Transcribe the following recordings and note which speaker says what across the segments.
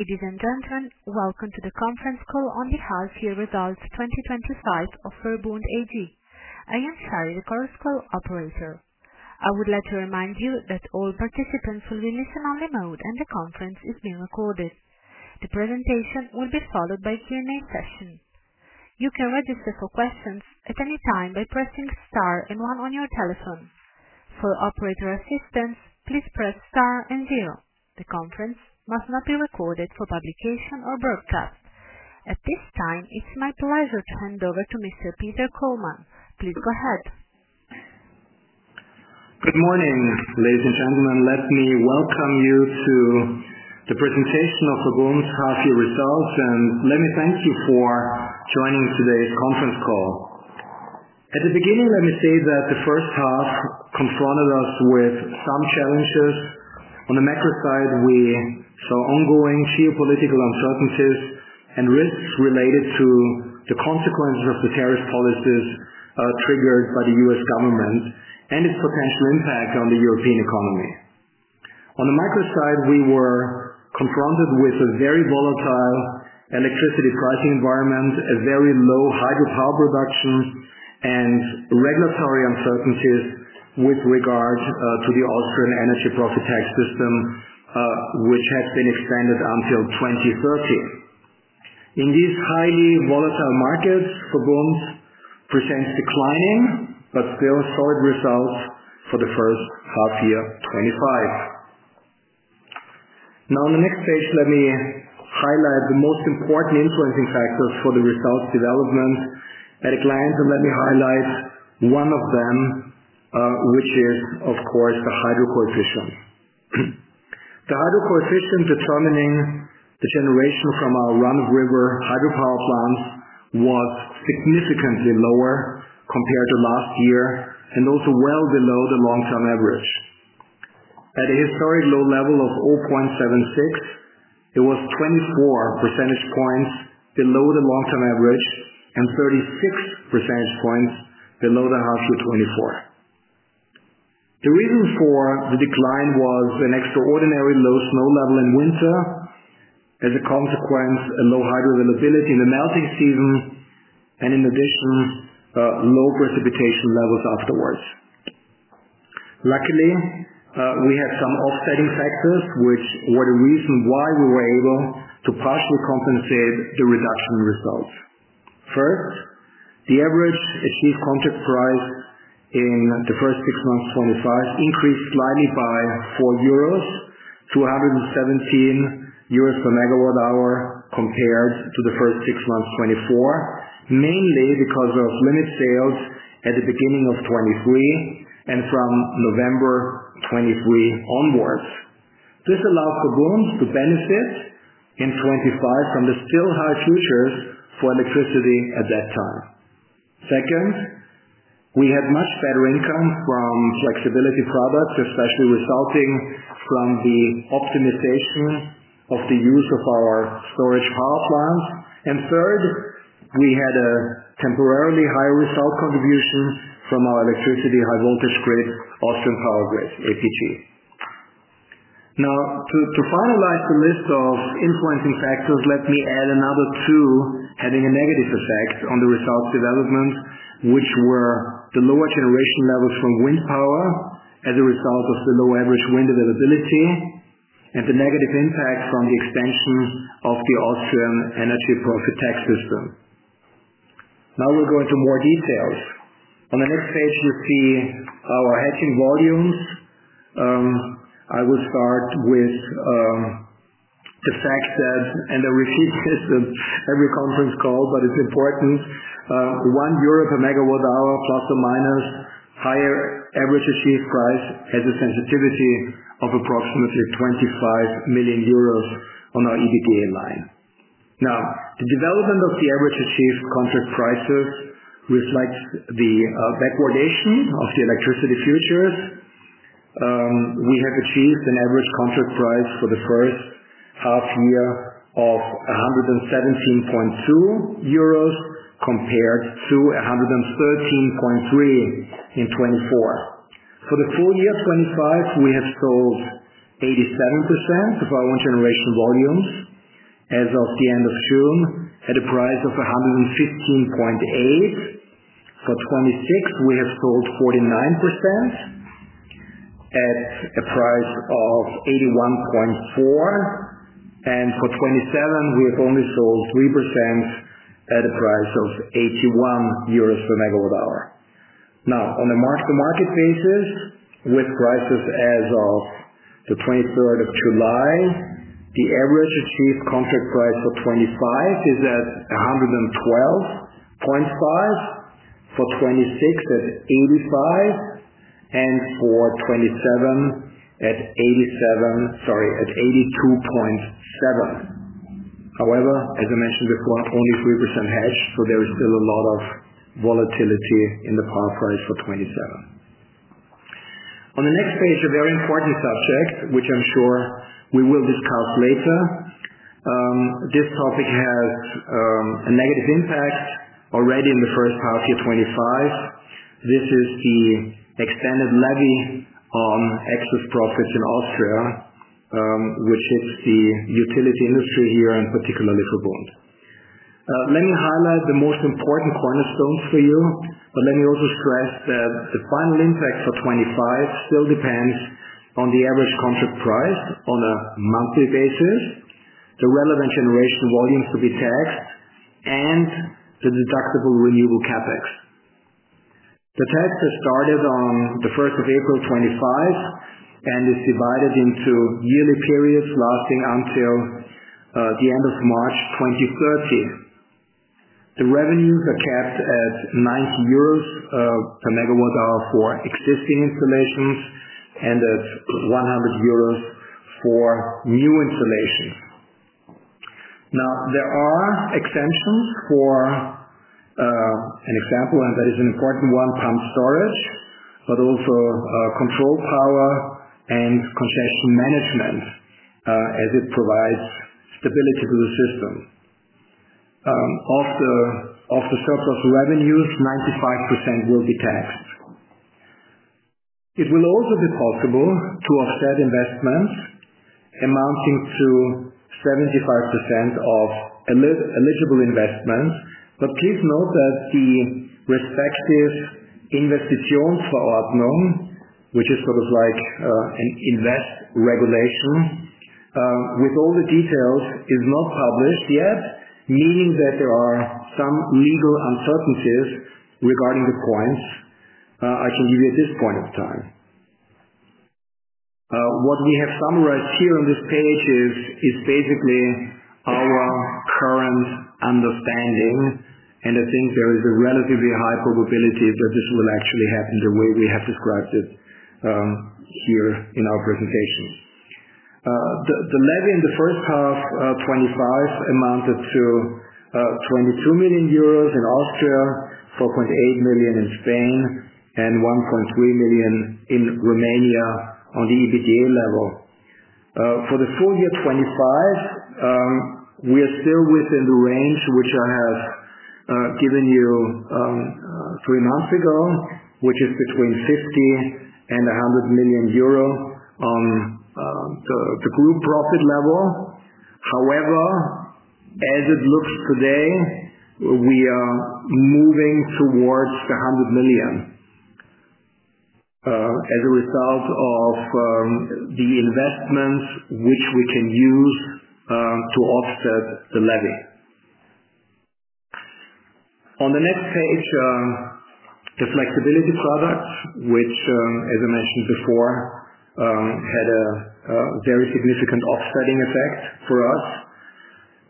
Speaker 1: Ladies and gentlemen, welcome to the conference call on the half-year results 2025 of VERBUND AG. I am Shari, the call's call operator. I would like to remind you that all participants will be in listen-only mode and the conference is being recorded. The presentation will be followed by a Q&A session. You can register for questions at any time by pressing star and one on your telephone. For operator assistance, please press star and zero. The conference must not be recorded for publication or broadcast. At this time, it's my pleasure to hand over to Mr. Peter Kollmann. Please go ahead.
Speaker 2: Good morning, ladies and gentlemen. Let me welcome you to the presentation of VERBUND's half-year results, and let me thank you for joining today's conference call. At the beginning, let me say that the first half confronted us with some challenges. On the macro side, we saw ongoing geopolitical uncertainties and risks related to the consequences of the tariff policies triggered by the U.S. government and its potential impact on the European economy. On the macro side, we were confronted with a very volatile electricity pricing environment, a very low hydropower production, and regulatory uncertainties with regard to the Austrian energy profit tax system, which has been extended until 2030. In these highly volatile markets, VERBUND presents declining but still solid results for the first half year 2025. Now, on the next page, let me highlight the most important influencing factors for the results development at a glance, and let me highlight one of them, which is, of course, the hydro coefficient. The hydro coefficient determining the generation from our run-of-river hydropower plants was significantly lower compared to last year and also well below the long-term average. At a historic low level of 0.76, it was 24% below the long-term average and 36% below the half year 2024. The reason for the decline was an extraordinarily low snow level in winter. As a consequence, a low hydro availability in the melting season, and in addition, low precipitation levels afterwards. Luckily, we had some offsetting factors which were the reason why we were able to partially compensate the reduction results. First, the average achieved contract price in the first six months 2025 increased slightly by 4 euros to 117 euros per megawatt hour compared to the first six months 2024, mainly because of limit sales at the beginning of 2023 and from November 2023 onwards. This allowed VERBUND to benefit in 2025 from the still high futures for electricity at that time. Second, we had much better income from flexibility products, especially resulting from the optimization of the use of our storage power plants. Third, we had a temporarily higher result contribution from our electricity high-voltage grid, Austrian Power Grid, APG. Now, to finalize the list of influencing factors, let me add another two having a negative effect on the results development, which were the lower generation levels from wind power as a result of the low average wind availability and the negative impact from the extension of the Austrian energy profit tax system. Now we'll go into more details. On the next page, you see our hedging volumes. I will start with the fact that, and I repeat this in every conference call, but it's important, 1 euro per megawatt hour plus or minus higher average achieved price has a sensitivity of approximately 25 million euros on our EBITDA line. Now, the development of the average achieved contract prices reflects the backwardation of the electricity futures. We have achieved an average contract price for the first half year of 117.2 euros compared to 113.3 in 2024. For the full year 2025, we have sold 87% of our wind generation volumes as of the end of June at a price of 115.8. For 2026, we have sold 49% at a price of 81.4. For 2027, we have only sold 3% at a price of 81 euros per MWh. Now, on a mark-to-market basis, with prices as of the 23rd of July, the average achieved contract price for 2025 is at 112.5, for 2026 at 85, and for 2027 at 82.7. However, as I mentioned before, only 3% hedged, so there is still a lot of volatility in the power price for 2027. On the next page, a very important subject, which I'm sure we will discuss later. This topic has a negative impact already in the first half year 2025. This is the extended levy on excess profits in Austria, which hits the utility industry here and particularly VERBUND. Let me highlight the most important cornerstones for you, but let me also stress that the final impact for 2025 still depends on the average contract price on a monthly basis, the relevant generation volumes to be taxed, and the deductible renewable capex. The tax has started on the 1st of April 2025 and is divided into yearly periods lasting until the end of March 2030. The revenues are capped at 90 euros per megawatt hour for existing installations and at 100 euros for new installations. Now, there are exemptions for, an example, and that is an important one, pump storage, but also control power and congestion management, as it provides stability to the system. Of the surplus revenues, 95% will be taxed. It will also be possible to offset investments amounting to 75% of eligible investments. Please note that the respective Investitionsverordnung, which is sort of like an invest regulation with all the details, is not published yet, meaning that there are some legal uncertainties regarding the points I can give you at this point in time. What we have summarized here on this page is basically our current understanding, and I think there is a relatively high probability that this will actually happen the way we have described it here in our presentation. The levy in the first half 2025 amounted to 22 million euros in Austria, 4.8 million in Spain, and 1.3 million in Romania on the EBITDA level. For the full year 2025, we are still within the range which I have given you three months ago, which is between 50 million and 100 million euro on the group profit level. However, as it looks today, we are moving towards the 100 million as a result of the investments which we can use to offset the levy. On the next page, the flexibility products, which, as I mentioned before, had a very significant offsetting effect for us.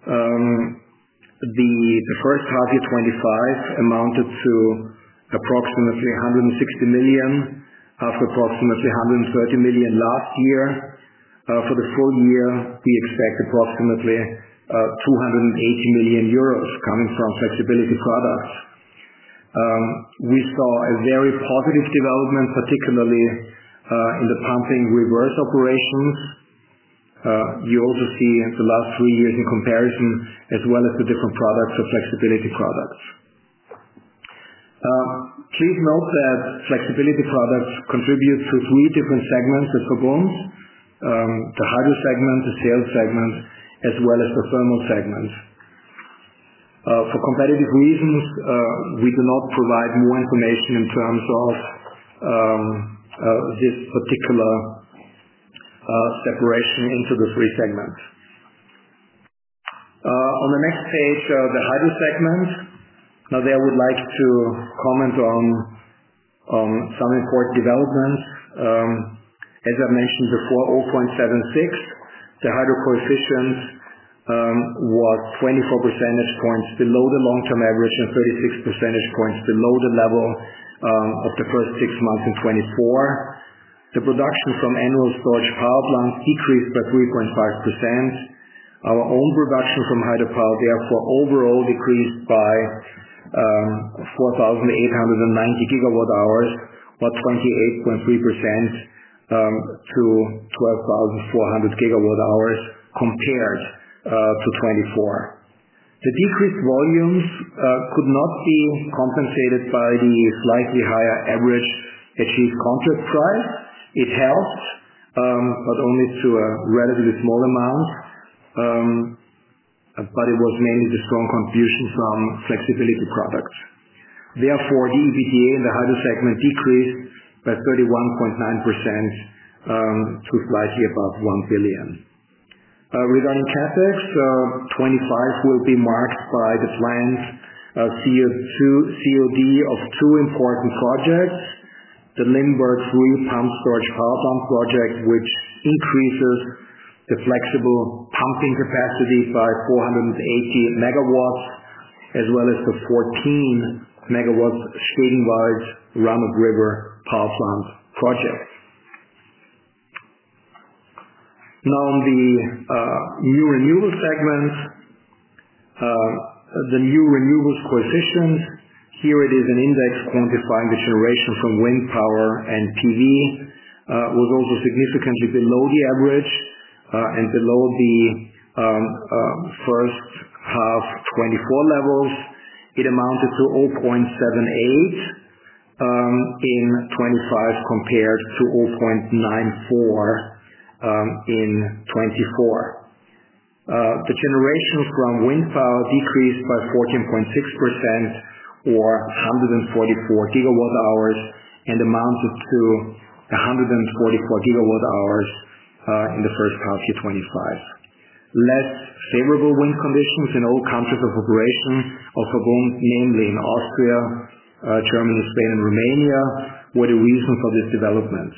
Speaker 2: The first half year 2025 amounted to approximately 160 million, after approximately 130 million last year. For the full year, we expect approximately 280 million euros coming from flexibility products. We saw a very positive development, particularly in the pumping reverse operations. You also see the last three years in comparison, as well as the different products of flexibility products. Please note that flexibility products contribute to three different segments at VERBUND AG: the hydro segment, the sales segment, as well as the thermal segment. For competitive reasons, we do not provide more information in terms of this particular separation into the three segments. On the next page, the hydro segment. Now, there I would like to comment on some important developments. As I mentioned before, 0.76, the hydro coefficient, was 24 percentage points below the long-term average and 36 percentage points below the level of the first six months in 2024. The production from annual storage power plants decreased by 3.5%. Our own production from hydropower, therefore, overall decreased by 4,890 GWh, by 28.3%, to 12,400 GWh compared to 2024. The decreased volumes could not be compensated by the slightly higher average achieved contract price. It helped, but only to a relatively small amount. It was mainly the strong contribution from flexibility products. Therefore, the EBITDA in the hydro segment decreased by 31.9%. To slightly above 1 billion. Regarding CapEx, 2025 will be marked by the planned COD of two important projects, the Limberg III pump storage power plant project, which increases the flexible pumping capacity by 480 MW, as well as the 14 MW Stegenwald run-of-river power plant project. Now, on the new renewable segment. The new renewables coefficient, here it is an index quantifying the generation from wind power and photovoltaic power, was also significantly below the average and below the first half 2024 levels. It amounted to 0.78 in 2025 compared to 0.94 in 2024. The generation from wind power decreased by 14.6% or 144 GWh and amounted to 144 GWh in the first half year 2025. Less favorable wind conditions in all countries of operation of VERBUND, namely in Austria, Germany, Spain, and Romania, were the reason for this development.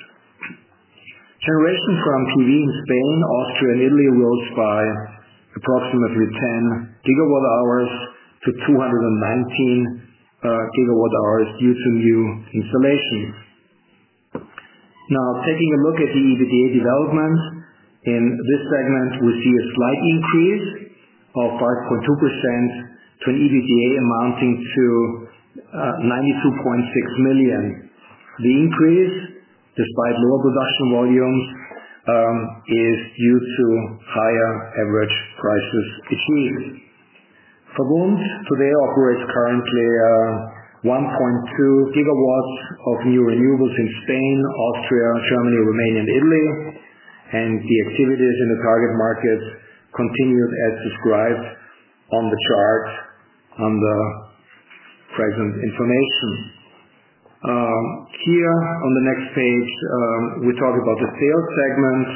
Speaker 2: Generation from photovoltaic power in Spain, Austria, and Italy rose by approximately 10 GWh to 219 GWh due to new installations. Now, taking a look at the EBITDA development, in this segment, we see a slight increase of 5.2% to an EBITDA amounting to 92.6 million. The increase, despite lower production volumes, is due to higher average prices achieved. VERBUND today operates currently 1.2 GW of new renewables in Spain, Austria, Germany, Romania, and Italy, and the activities in the target market continued, as described on the chart under present information. Here, on the next page, we talk about the sales segment.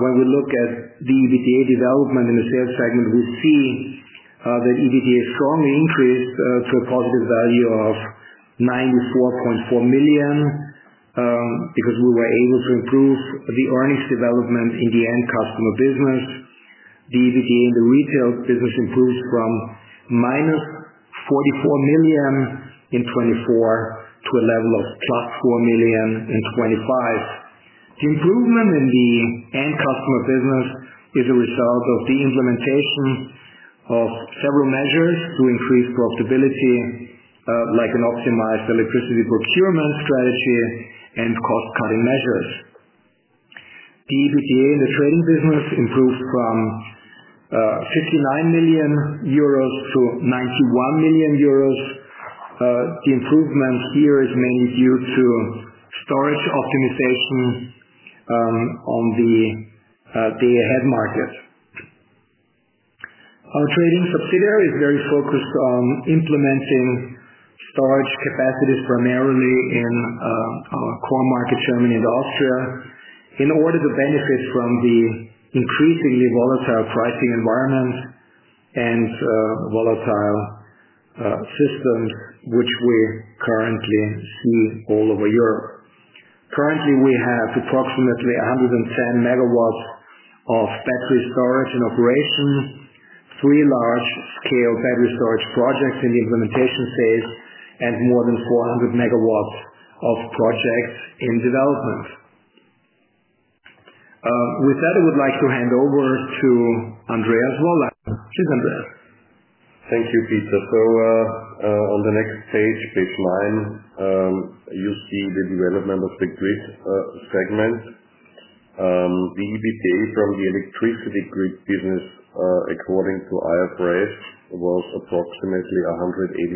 Speaker 2: When we look at the EBITDA development in the sales segment, we see that EBITDA strongly increased to a positive value of 94.4 million because we were able to improve the earnings development in the end customer business. The EBITDA in the retail business improved from minus 44 million in 2024 to a level of plus 4 million in 2025. The improvement in the end customer business is a result of the implementation of several measures to increase profitability, like an optimized electricity procurement strategy and cost-cutting measures. The EBITDA in the trading business improved from 59 million euros to 91 million euros. The improvement here is mainly due to storage optimization on the day-ahead market. Our trading subsidiary is very focused on implementing storage capacities primarily in our core market, Germany and Austria, in order to benefit from the increasingly volatile pricing environment and volatile systems, which we currently see all over Europe. Currently, we have approximately 110 MW of battery storage in operation. Three large-scale battery storage projects in the implementation phase, and more than 400 MW of projects in development. With that, I would like to hand over to Andreas Wollein. Please, Andreas.
Speaker 3: Thank you, Peter. On the next page, please mind. You see the development of the grid segment. The EBITDA from the electricity grid business, according to IFRS, was approximately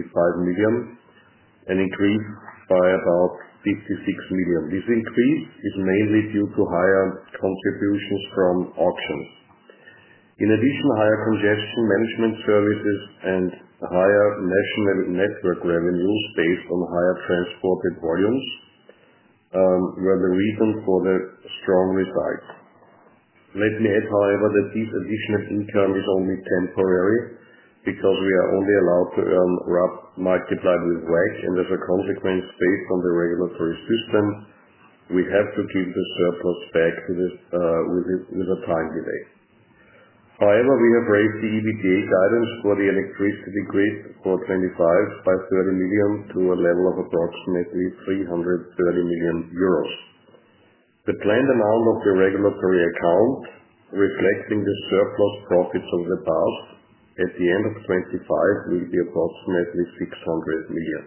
Speaker 3: 185 million, an increase by about 56 million. This increase is mainly due to higher contributions from auctions. In addition, higher congestion management services and higher national network revenues based on higher transported volumes were the reason for the strong results. Let me add, however, that this additional income is only temporary because we are only allowed to earn RUP multiplied with WEG. As a consequence, based on the regulatory system, we have to give the surplus back with a time delay. However, we have raised the EBITDA guidance for the electricity grid for 2025 by 30 million to a level of approximately 330 million euros. The planned amount of the regulatory account reflecting the surplus profits of the past at the end of 2025 will be approximately 600 million.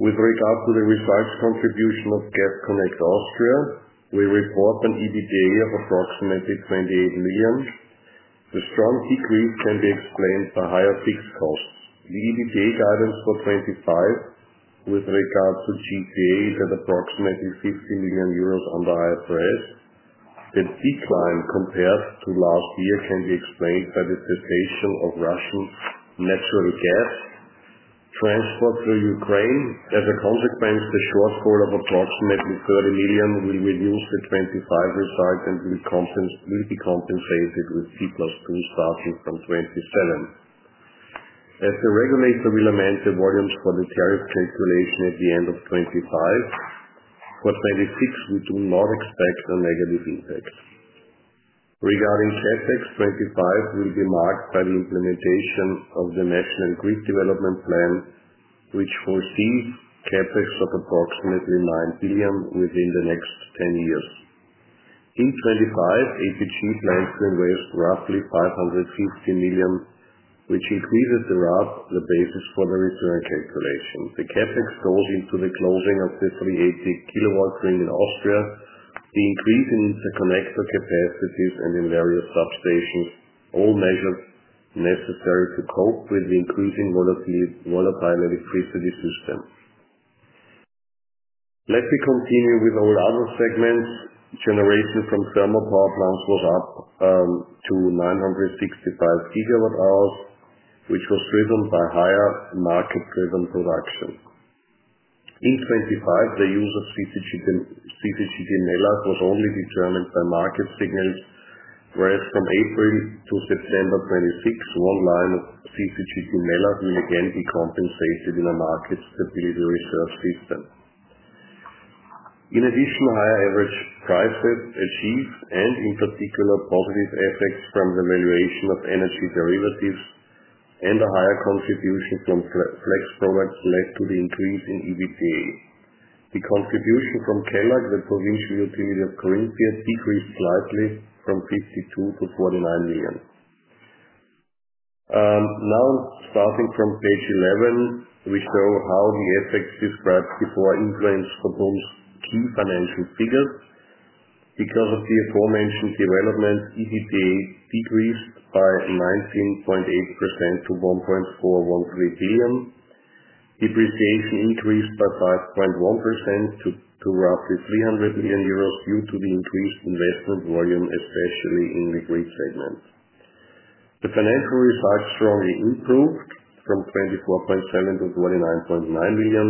Speaker 3: With regard to the results contribution of Gasconnect Austria, we report an EBITDA of approximately 28 million. The strong decrease can be explained by higher fixed costs. The EBITDA guidance for 2025 with regard to GTA is at approximately EUR 50 million under IFRS. The decline compared to last year can be explained by the cessation of Russian natural gas transport through Ukraine. As a consequence, the shortfall of approximately 30 million will reduce the 2025 result and will be compensated with T+2 starting from 2027, as the regulator will amend the volumes for the tariff calculation at the end of 2025. For 2026, we do not expect a negative impact. Regarding CapEx, 2025 will be marked by the implementation of the national grid development plan, which foresees CapEx of approximately 9 billion within the next 10 years. In 2025, APG plans to invest roughly 550 million, which increases the RUP, the basis for the return calculation. The CapEx goes into the closing of the 380 GW ring in Austria, the increase in interconnector capacities, and in various substations, all measures necessary to cope with the increasing volatile electricity system. Let me continue with all other segments. Generation from thermal power plants was up to 965 GWh, which was driven by higher market-driven production. In 2025, the use of CCGD MELAG was only determined by market signals, whereas from April to September 2026, one line of CCGD MELAG will again be compensated in a market stability reserve system. In addition, higher average prices achieved, and in particular, positive effects from the valuation of energy derivatives and a higher contribution from flexibility products led to the increase in EBITDA. The contribution from KELAG, the provincial utility of Carinthia, decreased slightly from 52 million to 49 million. Now, starting from page 11, we show how the effects described before influence VERBUND's key financial figures. Because of the aforementioned development, EBITDA decreased by 19.8% to 1.413 billion. Depreciation increased by 5.1% to roughly 300 million euros due to the increased investment volume, especially in the grid segment. The financial results strongly improved from 24.7 million to 29.9 million.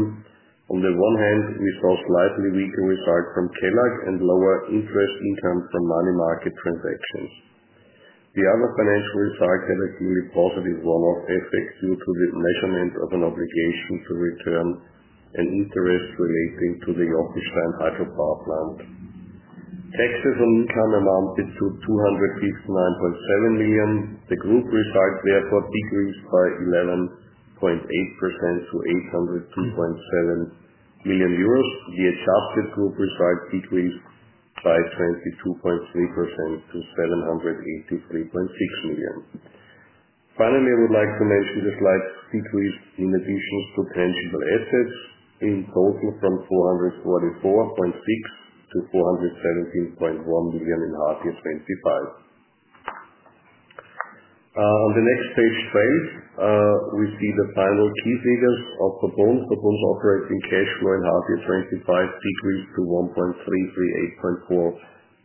Speaker 3: On the one hand, we saw slightly weaker results from KELAG and lower interest income from money market transactions. The other financial results had a clearly positive one-off effect due to the measurement of an obligation to return an interest relating to the Jochenstein hydropower plant. Taxes on income amounted to 259.7 million. The group result, therefore, decreased by 11.8% to 802.7 million euros. The adjusted group result decreased by 22.3% to 783.6 million. Finally, I would like to mention the slight decrease in additions to tangible assets in total from 444.6 million to 417.1 million in half year 2025. On the next page, 12, we see the final key figures of VERBUND. VERBUND's operating cash flow in half year 2025 decreased to 1.3384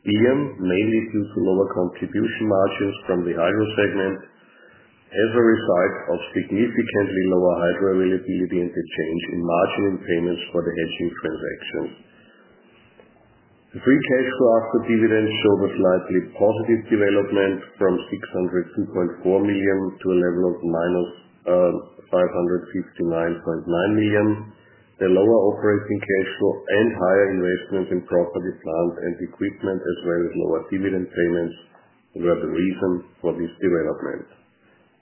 Speaker 3: billion, mainly due to lower contribution margins from the hydro segment as a result of significantly lower hydro availability and the change in margin in payments for the hedging transactions. The free cash flow after dividends showed a slightly positive development from 602.4 million to a level of 559.9 million. The lower operating cash flow and higher investments in property, plants, and equipment, as well as lower dividend payments, were the reason for this development.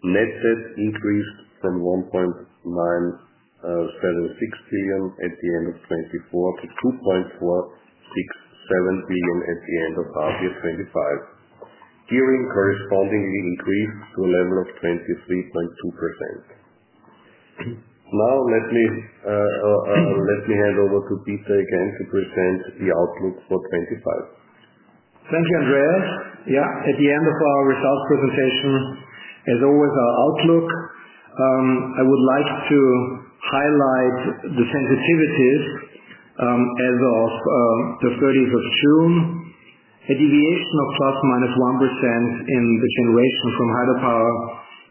Speaker 3: Net debt increased from 1.976 billion at the end of 2024 to 2.467 billion at the end of half year 2025. Gearing correspondingly increased to a level of 23.2%. Now, let me hand over to Peter again to present the outlook for 2025.
Speaker 2: Thank you, Andreas. At the end of our results presentation, as always, our outlook. I would like to highlight the sensitivities. As of the 30th of June, a deviation of ±1% in the generation from hydropower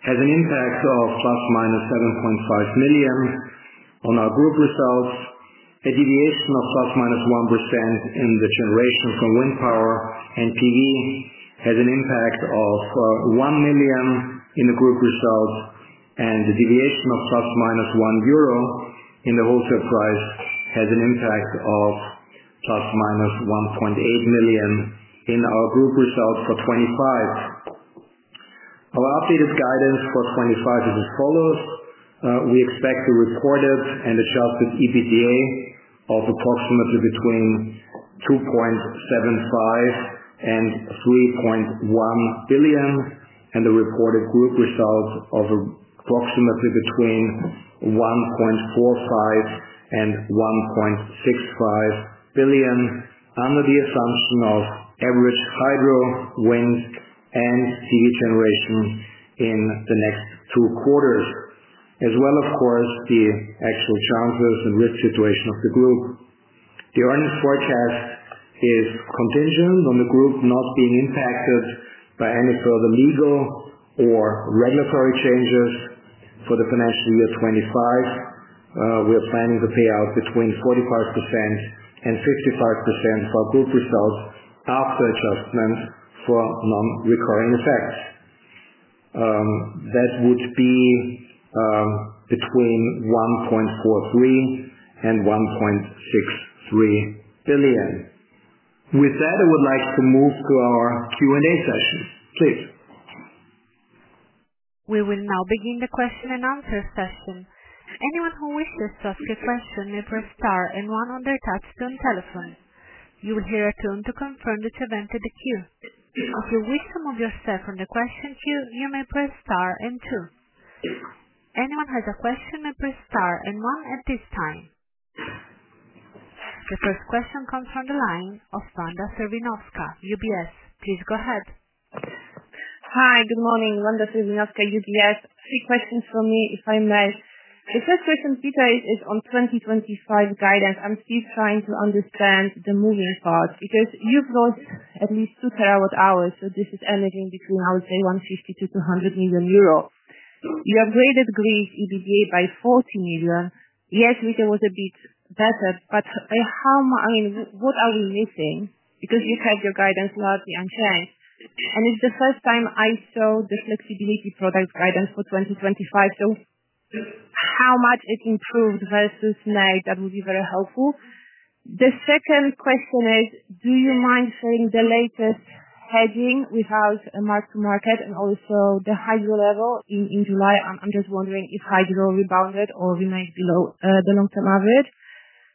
Speaker 2: has an impact of ±7.5 million on our group result. A deviation of ±1% in the generation from wind power and photovoltaic power has an impact of 1 million in the group result. The deviation of ±1 euro in the wholesale price has an impact of ±1.8 million in our group result for 2025. Our updated guidance for 2025 is as follows. We expect the reported and adjusted EBITDA of approximately between 2.75 billion and 3.1 billion and the reported group result of approximately between 1.45 billion and 1.65 billion under the assumption of average hydro, wind, and photovoltaic generation in the next two quarters, as well as, of course, the actual chances and risk situation of the group. The earnings forecast is contingent on the group not being impacted by any further legal or regulatory changes for the financial year 2025. We are planning to pay out between 45% and 55% for group result after adjustment for non-recurring effects. That would be between 1.43 billion and 1.63 billion. With that, I would like to move to our Q&A session. Please.
Speaker 1: We will now begin the question and answer session. Anyone who wishes to ask a question may press star and one on their touch-tone telephone. You will hear a tone to confirm that you've entered the queue. If you wish to remove yourself from the question queue, you may press star and two. Anyone who has a question may press star and one at this time. The first question comes from the line of Wanda Serwinowska, UBS. Please go ahead.
Speaker 4: Hi, good morning. Wanda Serwinowska, UBS. Three questions from me, if I may. The first question, Peter, is on 2025 guidance. I'm still trying to understand the moving part because you've lost at least 2 TWh, so this is anything between, I would say, 150 million to 200 million euro. You upgraded grid EBITDA by 40 million. Yes, Peter was a bit better, but how much, I mean, what are we missing? Because you had your guidance largely unchanged. It is the first time I saw the flexibility products guidance for 2025, so how much it improved versus May, that would be very helpful. The second question is, do you mind sharing the latest hedging without a mark-to-market and also the hydro level in July? I'm just wondering if hydro rebounded or remained below the long-term average.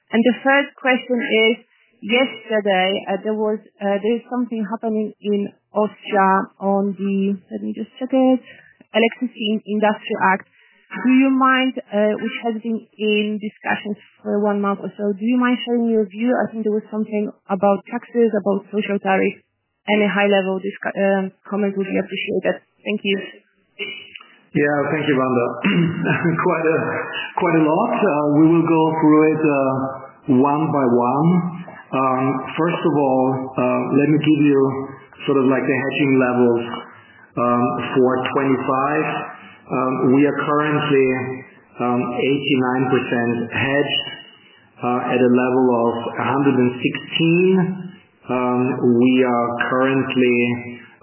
Speaker 4: The third question is, yesterday, there is something happening in Austria on the Electricity Industry Act. Do you mind, which has been in discussions for one month or so? Do you mind sharing your view? I think there was something about taxes, about social tariffs. Any high-level comment would be appreciated. Thank you.
Speaker 2: Thank you, Wanda. Quite a lot. We will go through it one by one. First of all, let me give you sort of the hedging levels for 2025. We are currently 89% hedged at a level of 116. We are currently,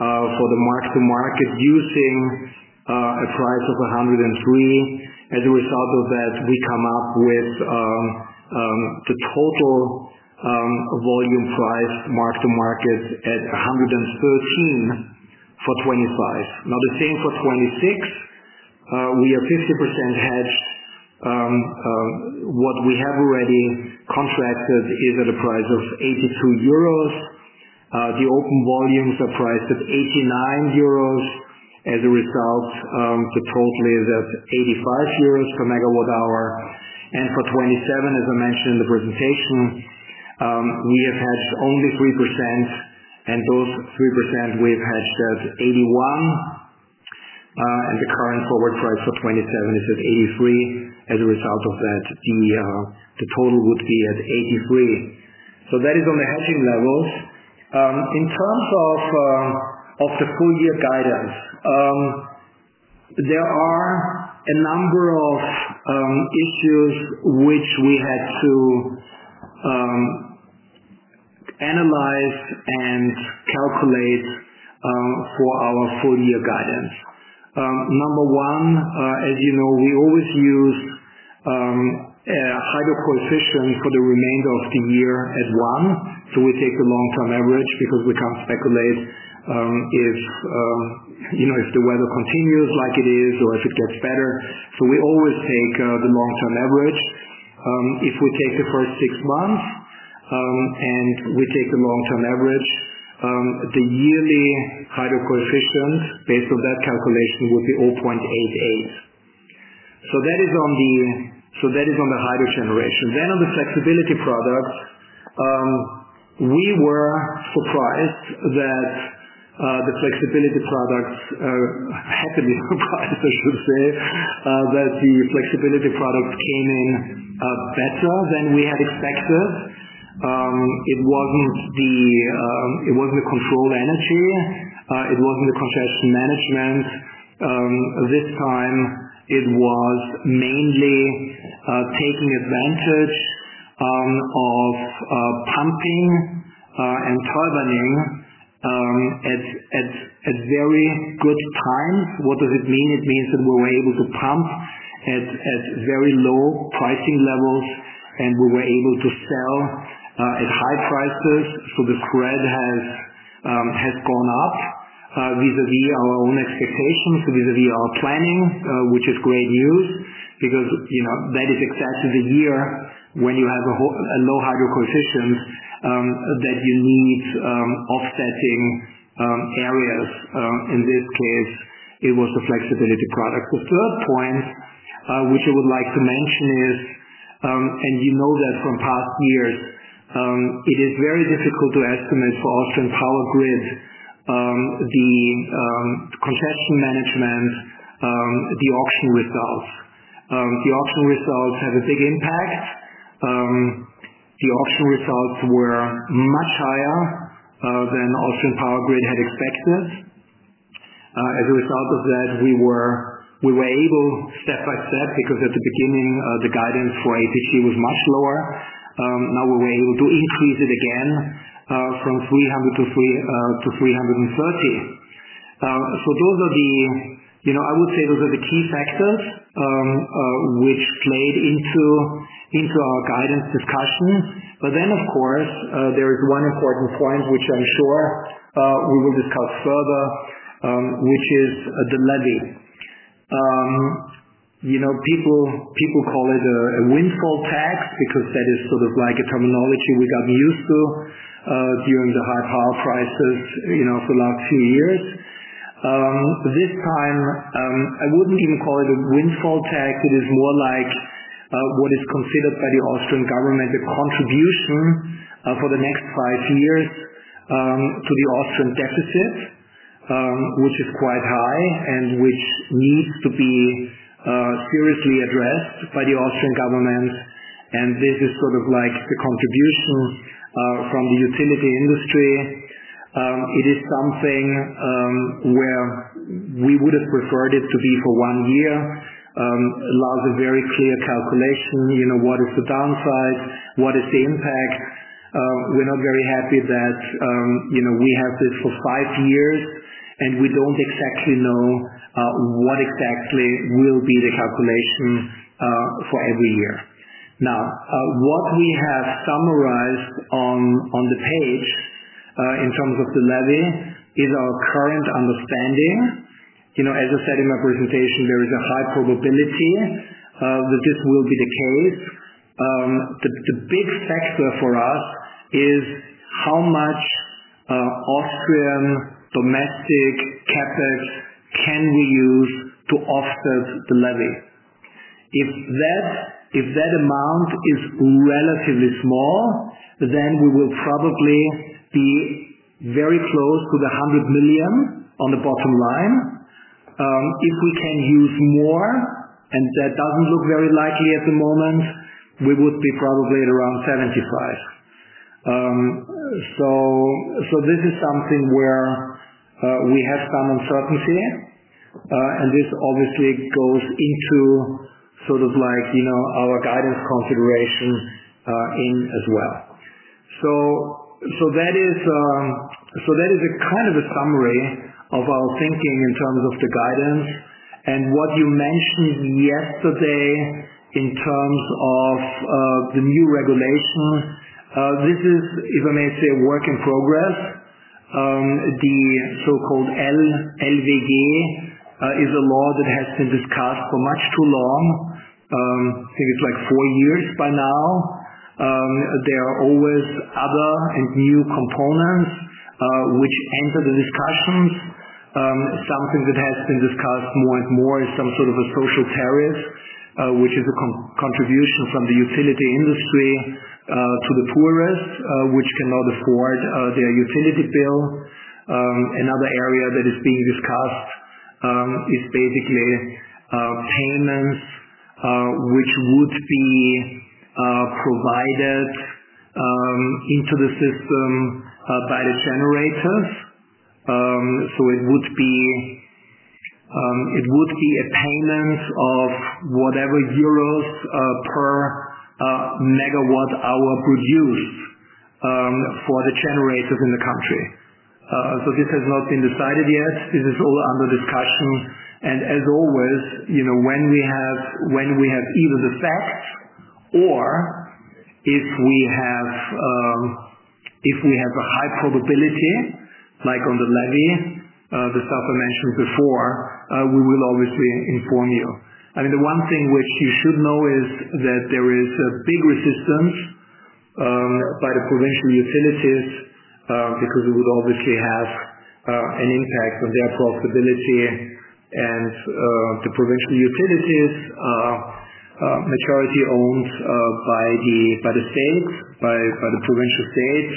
Speaker 2: for the mark-to-market, using a price of 103. As a result of that, we come up with the total volume price mark-to-market at 113 for 2025. Now, the same for 2026. We are 50% hedged. What we have already contracted is at a price of 82 euros. The open volumes are priced at 89 euros. As a result, the total is at 85 euros per MWh. For 2027, as I mentioned in the presentation, we have hedged only 3%. Those 3%, we've hedged at 81, and the current forward price for 2027 is at 83. As a result of that, the total would be at 83. That is on the hedging levels. In terms of the full-year guidance, there are a number of issues which we had to analyze and calculate for our full-year guidance. Number one, as you know, we always use a hydro coefficient for the remainder of the year at one. We take the long-term average because we can't speculate if the weather continues like it is or if it gets better. We always take the long-term average. If we take the first six months and we take the long-term average, the yearly hydro coefficient based on that calculation would be 0.88. That is on the hydro generation. On the flexibility products, we were surprised that the flexibility products—happily surprised, I should say—that the flexibility products came in better than we had expected. It wasn't the controlled energy. It wasn't the congestion management. This time, it was mainly taking advantage of pumping and turbine at very good times. What does it mean? It means that we were able to pump at very low pricing levels, and we were able to sell at high prices. The spread has gone up vis-à-vis our own expectations, vis-à-vis our planning, which is great news because that is exactly the year when you have a low hydro coefficient that you need offsetting areas. In this case, it was the flexibility products. The third point which I would like to mention is. You know that from past years, it is very difficult to estimate for Austrian Power Grid. The congestion management, the auction results, have a big impact. The auction results were much higher than Austrian Power Grid had expected. As a result of that, we were able, step by step, because at the beginning, the guidance for APG was much lower. Now, we were able to increase it again from 300 million to 330 million. I would say those are the key factors which played into our guidance discussion. Of course, there is one important point which I'm sure we will discuss further, which is the levy. People call it a windfall tax because that is sort of like a terminology we got used to during the high power prices for the last few years. This time, I wouldn't even call it a windfall tax. It is more like what is considered by the Austrian government, the contribution for the next five years to the Austrian deficit, which is quite high and which needs to be seriously addressed by the Austrian government. This is sort of like the contribution from the utility industry. It is something where we would have preferred it to be for one year. It allows a very clear calculation. What is the downside? What is the impact? We're not very happy that we have this for five years, and we don't exactly know what exactly will be the calculation for every year. What we have summarized on the page in terms of the levy is our current understanding. As I said in my presentation, there is a high probability that this will be the case. The big factor for us is how much Austrian domestic CapEx can we use to offset the levy. If that amount is relatively small, then we will probably be very close to the 100 million on the bottom line. If we can use more, and that doesn't look very likely at the moment, we would be probably at around 75 million. This is something where we have some uncertainty, and this obviously goes into our guidance consideration as well. That is a kind of a summary of our thinking in terms of the guidance. What you mentioned yesterday in terms of the new regulation, this is, if I may say, a work in progress. The so-called LWG is a law that has been discussed for much too long. I think it's like four years by now. There are always other and new components which enter the discussions. Something that has been discussed more and more is some sort of a social tariff, which is a contribution from the utility industry to the poorest, which cannot afford their utility bill. Another area that is being discussed is basically payments which would be provided into the system by the generators. It would be a payment of whatever euros per megawatt hour produced for the generators in the country. This has not been decided yet. This is all under discussion. As always, when we have either the facts or if we have a high probability, like on the levy, the stuff I mentioned before, we will obviously inform you. The one thing which you should know is that there is a big resistance by the provincial utilities because it would obviously have an impact on their profitability. The provincial utilities are majority-owned by the provincial states.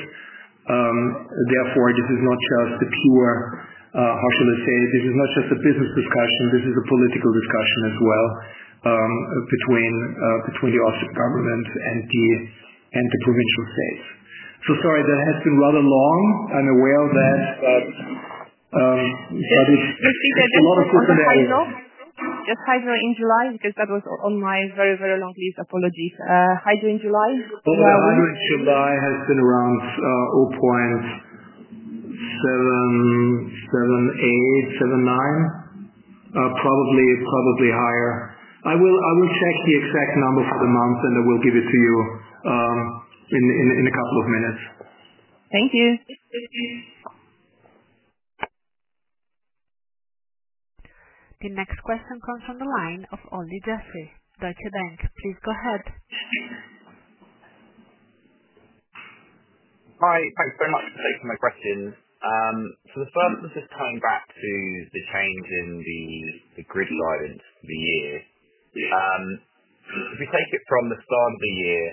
Speaker 2: Therefore, this is not just a pure, how should I say, this is not just a business discussion. This is a political discussion as well between the Austrian government and the provincial states. Sorry, that has been rather long. I'm aware of that. It's a lot of system ahead.
Speaker 4: Just hydro in July because that was on my very, very long list. Apologies. Hydro in July?
Speaker 2: Hydro in July has been around 0.78, 0.79, probably higher. I will check the exact number for the month, and I will give it to you in a couple of minutes.
Speaker 4: Thank you.
Speaker 1: The next question comes from the line of Olly Jeffery, Deutsche Bank. Please go ahead.
Speaker 5: Hi. Thanks very much for taking my question. The first was just coming back to the change in the grid guidance for the year. If we take it from the start of the year,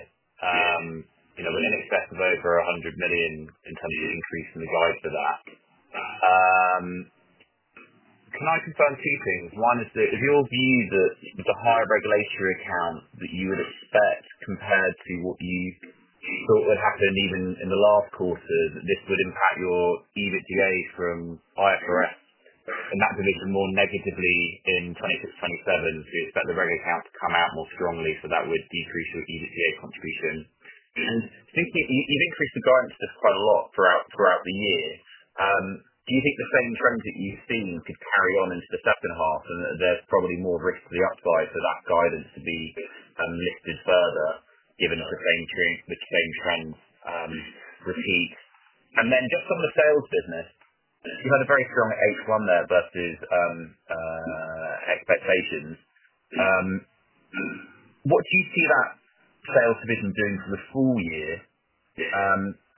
Speaker 5: we're in excess of over 100 million in terms of the increase in the guidance for that. Can I confirm two things? One is that is your view that the higher regulatory account that you would expect compared to what you thought would happen even in the last quarter, that this would impact your EBITDA from IFRS and that division more negatively in 2026, 2027? You expect the regulatory account to come out more strongly, so that would decrease your EBITDA contribution. You've increased the guidance just quite a lot throughout the year. Do you think the same trends that you've seen could carry on into the second half, and that there's probably more risk to the upside for that guidance to be lifted further given the same trend. Repeat? Just on the sales business, you had a very strong H1 there versus expectations. What do you see that sales division doing for the full year?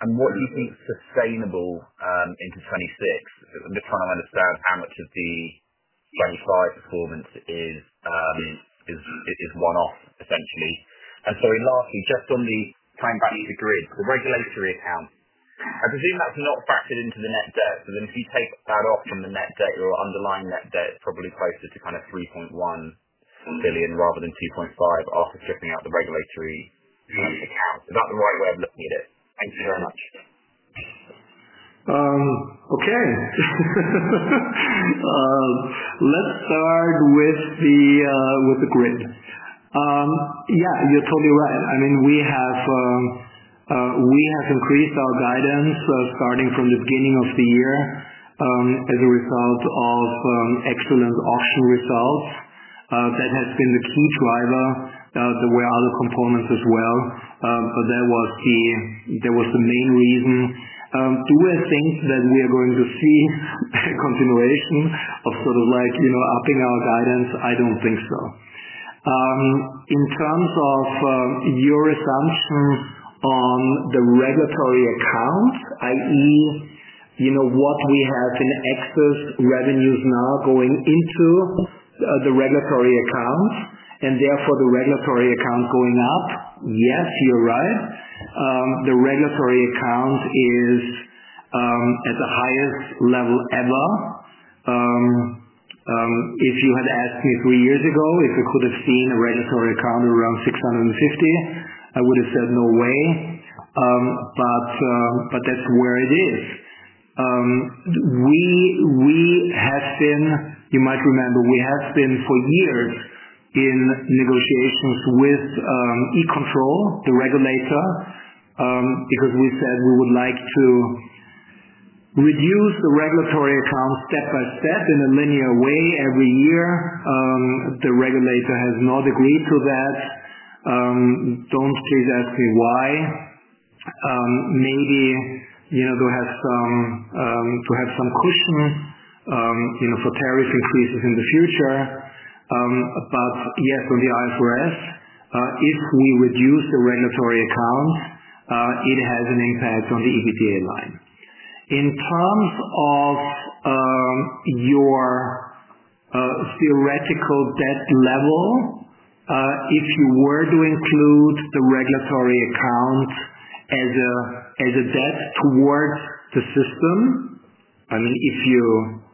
Speaker 5: What do you think is sustainable into 2026? I'm just trying to understand how much of the 2025 performance is one-off, essentially. Sorry, lastly, just coming back to the grid, the regulatory account, I presume that's not factored into the net debt. If you take that off from the net debt or underlying net debt, it's probably closer to 3.1 billion rather than 2.5 billion after stripping out the regulatory account. Is that the right way of looking at it?
Speaker 2: Thank you very much. Let's start with the grid. You're totally right. We have increased our guidance starting from the beginning of the year as a result of excellent auction results. That has been the key driver. There were other components as well, but that was the main reason. Do I think that we are going to see a continuation of upping our guidance? I don't think so. In terms of your assumption on the regulatory account, i.e., what we have in excess revenues now going into the regulatory account, and therefore the regulatory account going up, yes, you're right. The regulatory account is at the highest level ever. If you had asked me three years ago if I could have seen a regulatory account at around EUR 650 million, I would have said no way. That's where it is. You might remember we have been for years in negotiations with E-Control, the regulator, because we said we would like to reduce the regulatory account step by step in a linear way every year. The regulator has not agreed to that. Please don't ask me why. Maybe to have some cushion for tariff increases in the future. Yes, under IFRS, if we reduce the regulatory account, it has an impact on the EBITDA line. In terms of your theoretical debt level, if you were to include the regulatory account as a debt towards the system, if you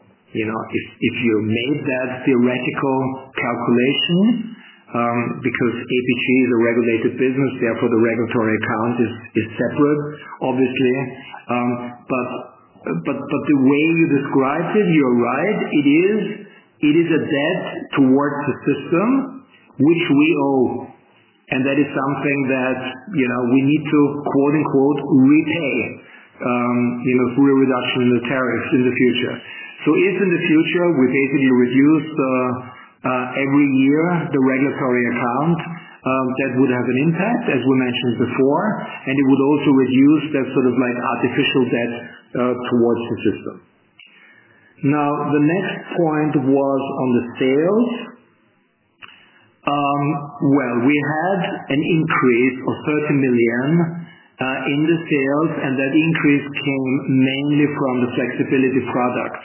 Speaker 2: made that theoretical calculation, because APG is a regulated business, therefore the regulatory account is separate, obviously. The way you described it, you're right, it is a debt towards the system which we owe, and that is something that we need to "repay" through a reduction in the tariffs in the future. If in the future we basically reduce. Every year the regulatory account, that would have an impact, as we mentioned before, and it would also reduce that sort of artificial debt towards the system. The next point was on the sales. We had an increase of 30 million in the sales, and that increase came mainly from the flexibility products.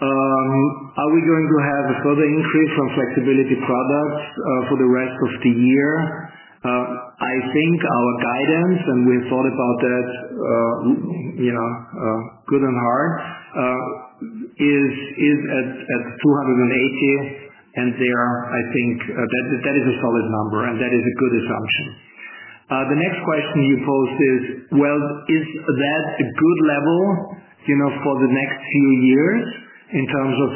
Speaker 2: Are we going to have a further increase from flexibility products for the rest of the year? I think our guidance, and we have thought about that good and hard, is at 280 million, and there, I think that is a solid number, and that is a good assumption. The next question you posed is, is that a good level for the next few years in terms of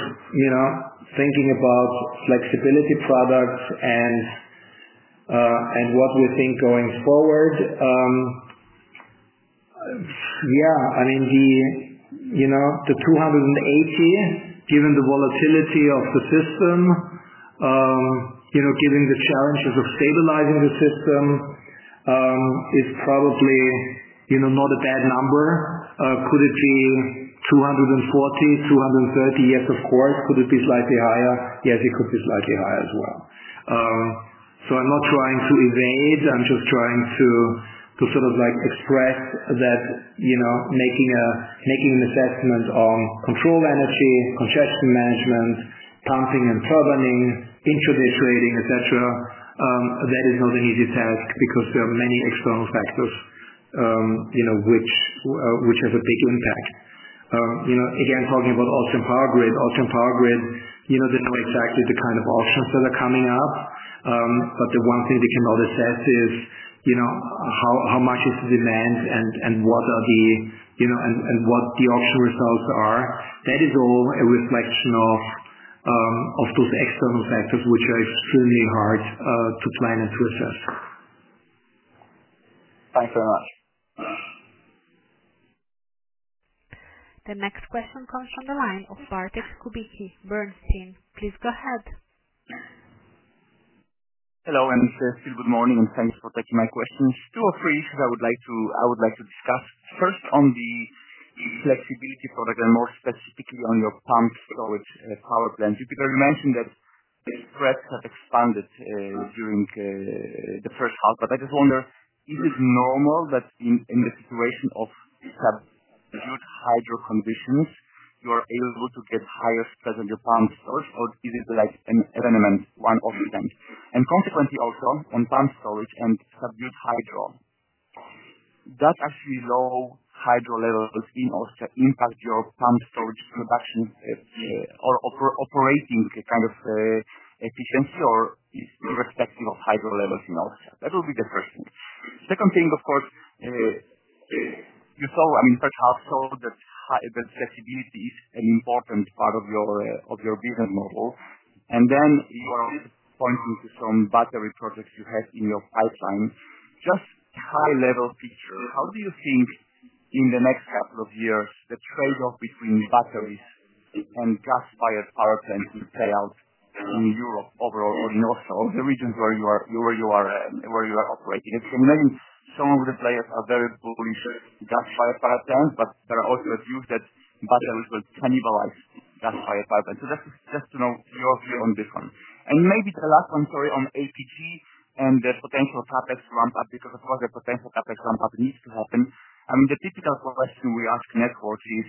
Speaker 2: thinking about flexibility products and what we think going forward? Yeah. I mean, the 280, given the volatility of the system, given the challenges of stabilizing the system, is probably not a bad number. Could it be 240 million, 230 million? Yes, of course. Could it be slightly higher? Yes, it could be slightly higher as well. I'm not trying to evade. I'm just trying to sort of express that making an assessment on control energy, congestion management, pumping and turbining, intraday trading, etc., that is not an easy task because there are many external factors which have a big impact. Again, talking about Austrian Power Grid, Austrian Power Grid, they know exactly the kind of auctions that are coming up. The one thing they cannot assess is how much is the demand and what are the auction results. That is all a reflection of those external factors which are extremely hard to plan and to assess.
Speaker 5: Thanks very much.
Speaker 1: The next question comes from the line of Bartek Kubicki, Bernstein. Please go ahead.
Speaker 6: Hello, and good morning, and thanks for taking my questions. Two or three issues I would like to discuss. First, on the flexibility product and more specifically on your pump storage power plant. You mentioned that spreads have expanded during the first half, but I just wonder, is it normal that in the situation of subdued hydro conditions, you are able to get higher spreads on your pump storage, or is it a one-off event? Consequently, also on pump storage and subdued hydro, does actually low hydro levels in Austria impact your pump storage production or operating kind of efficiency or irrespective of hydro levels in Austria? That would be the first thing. Second thing, of course, you saw, I mean, first half saw that flexibility is an important part of your business model. You are also pointing to some battery projects you have in your pipeline. Just high-level picture, how do you think in the next couple of years the trade-off between batteries and gas-fired power plants will play out in Europe overall or in Austria or the regions where you are operating? As you can imagine, some of the players are very bullish on gas-fired power plants, but there are also a few that think batteries will cannibalize gas-fired power plants. Just to know your view on this one. Maybe the last one, sorry, on APG and the potential CapEx ramp-up, because of course, the potential CapEx ramp-up needs to happen. The typical question we ask networks is,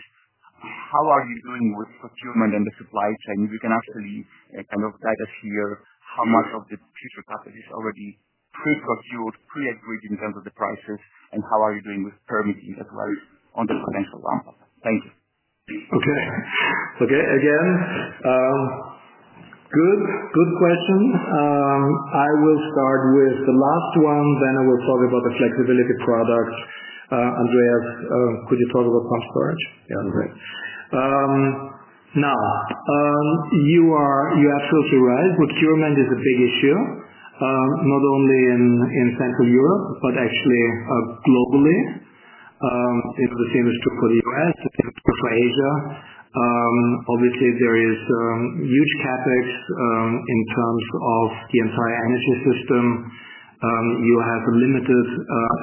Speaker 6: how are you doing with procurement and the supply chain? If you can actually kind of guide us here how much of the future CapEx is already pre-procurement, pre-agreed in terms of the prices, and how are you doing with permitting as well on the potential ramp-up? Thank you.
Speaker 2: Okay. Good question. I will start with the last one, then I will talk about the flexibility product. Andreas, could you talk about pump storage?
Speaker 3: Yeah, I'm great.
Speaker 2: You are absolutely right. Procurement is a big issue, not only in Central Europe but actually globally. The same is true for the U.S., the same is true for Asia. Obviously, there is huge CapEx in terms of the entire energy system. You have limited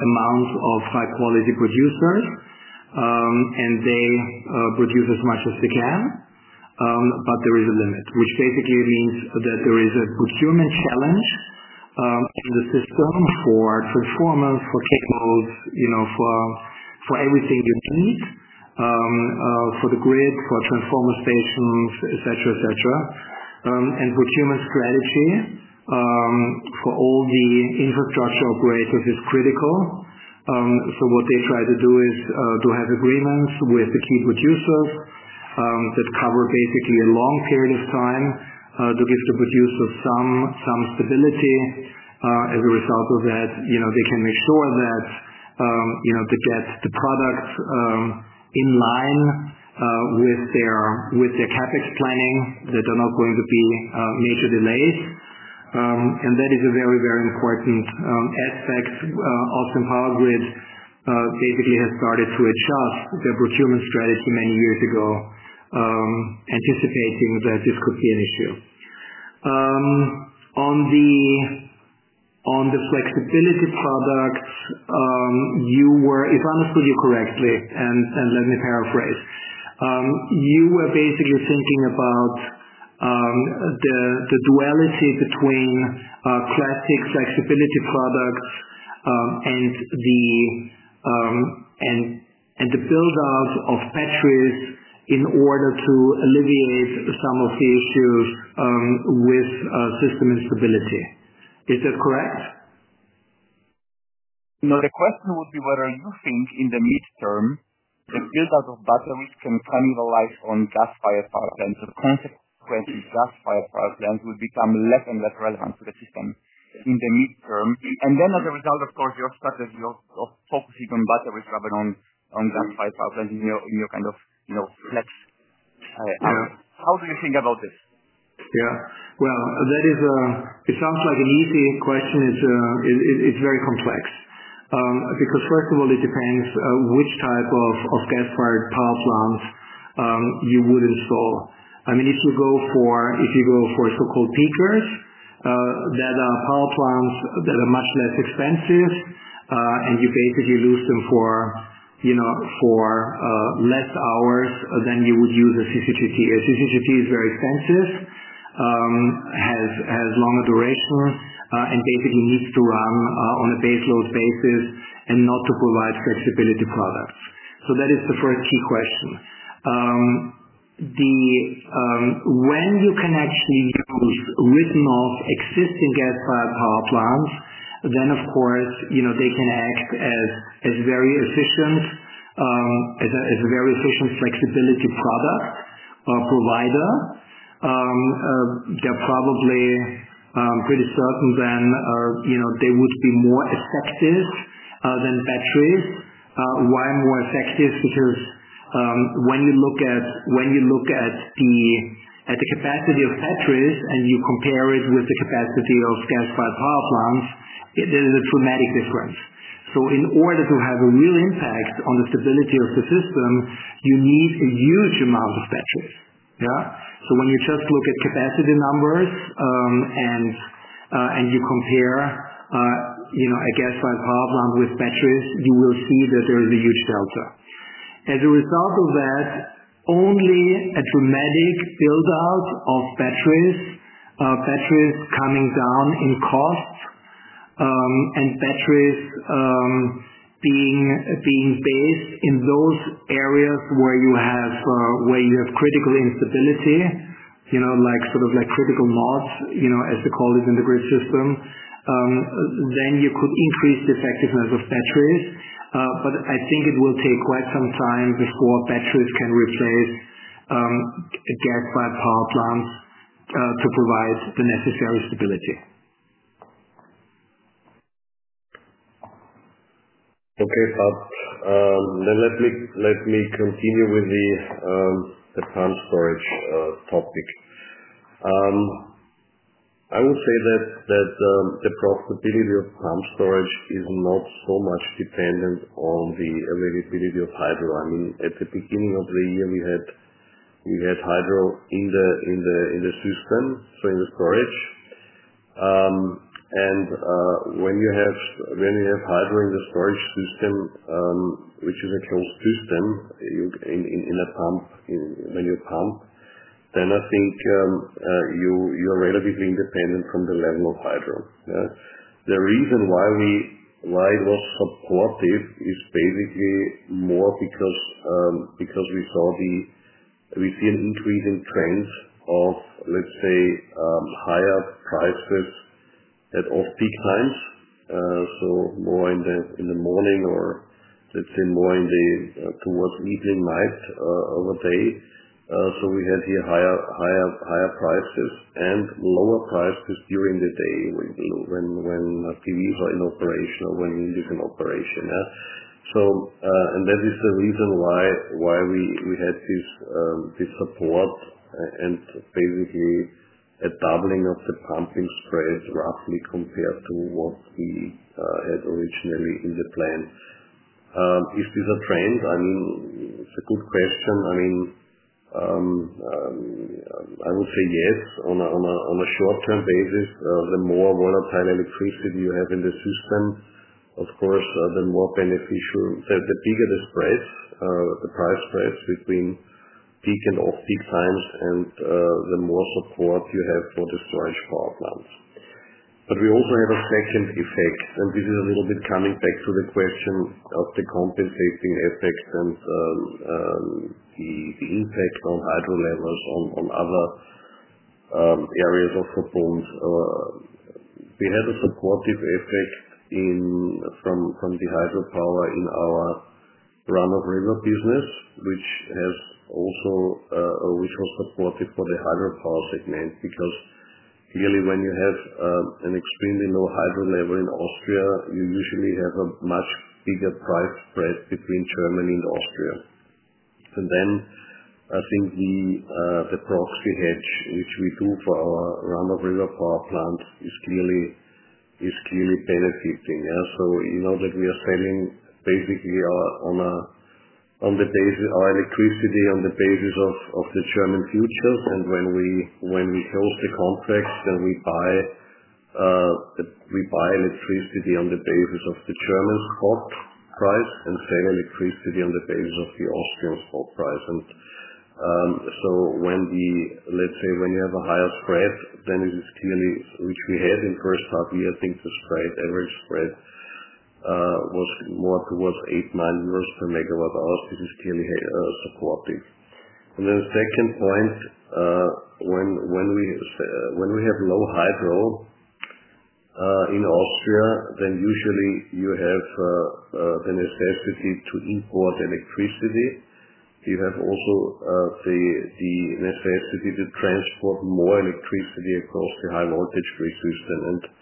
Speaker 2: amounts of high-quality producers, and they produce as much as they can, but there is a limit, which basically means that there is a procurement challenge in the system for transformers, for cables, for everything you need for the grid, for transformer stations, etc. Procurement strategy for all the infrastructure operators is critical. What they try to do is to have agreements with the key producers that cover basically a long period of time to give the producers some stability. As a result of that, they can make sure that they get the product in line with their CapEx planning, that there are not going to be major delays, and that is a very, very important aspect. Austrian Power Grid APG has started to adjust their procurement strategy many years ago, anticipating that this could be an issue. On the flexibility products, if I understood you correctly, and let me paraphrase, you were basically thinking about the duality between classic flexibility products and the build-out of batteries in order to alleviate some of the issues with system instability. Is that correct?
Speaker 6: No, the question would be whether you think in the midterm the build-out of batteries can cannibalize on gas-fired power plants or consequently gas-fired power plants would become less and less relevant to the system in the midterm. As a result, of course, your strategy of focusing on batteries rather than on gas-fired power plants in your kind of flex. How do you think about this?
Speaker 2: Yeah. It sounds like an easy question. It's very complex. First of all, it depends which type of gas-fired power plants you would install. I mean, if you go for so-called peakers, that are power plants that are much less expensive, and you basically use them for less hours than you would use a CCTP. A CCTP is very expensive, has longer duration, and basically needs to run on a base load basis and not to provide flexibility products. That is the first key question. When you can actually use written-off existing gas-fired power plants, then of course, they can act as a very efficient flexibility product provider. They're probably pretty certain then they would be more effective than batteries. Why more effective? Because when you look at the capacity of batteries and you compare it with the capacity of gas-fired power plants, there is a dramatic difference. In order to have a real impact on the stability of the system, you need a huge amount of batteries. When you just look at capacity numbers and you compare a gas-fired power plant with batteries, you will see that there is a huge delta. As a result of that, only a dramatic build-out of batteries, batteries coming down in cost, and batteries being based in those areas where you have critical instability, like sort of critical knots, as they call it in the grid system, then you could increase the effectiveness of batteries. I think it will take quite some time before batteries can replace gas-fired power plants to provide the necessary stability.
Speaker 3: Okay. Let me continue with the pump storage topic. I would say that the profitability of pump storage is not so much dependent on the availability of hydro. I mean, at the beginning of the year, we had hydro in the system, so in the storage. When you have hydro in the storage system, which is a closed system, in a pump, when you pump, then I think you are relatively independent from the level of hydro. The reason why it was supportive is basically more because. We see an increasing trend of, let's say, higher prices at off-peak times, more in the morning or, let's say, more towards evening night over day. We had here higher prices and lower prices during the day when PVs are in operation or when we're in operation. That is the reason why we had this support and basically a doubling of the pumping spread roughly compared to what we had originally in the plan. Is this a trend? I mean, it's a good question. I would say yes. On a short-term basis, the more volatile electricity you have in the system, of course, the more beneficial, the bigger the spreads, the price spreads between peak and off-peak times, and the more support you have for the storage power plants. We also have a second effect, and this is a little bit coming back to the question of the compensating effect and the impact on hydro levels on other areas of the pumps. We had a supportive effect from the hydropower in our run-of-river business, which was supportive for the hydropower segment because clearly when you have an extremely low hydro level in Austria, you usually have a much bigger price spread between Germany and Austria. I think the proxy hedge, which we do for our run-of-river power plants, is clearly benefiting. You know that we are selling basically on the basis of our electricity on the basis of the German futures. When we close the contracts and we buy electricity on the basis of the German spot price and sell electricity on the basis of the Austrian spot price, when you have a higher spread, then it is clearly, which we had in the first half year, I think the average spread was more towards EUR 8, EUR 9 per megawatt hour. This is clearly supportive. The second point, when we have low hydro in Austria, then usually you have the necessity to import electricity. You have also the necessity to transport more electricity across the high-voltage grid system.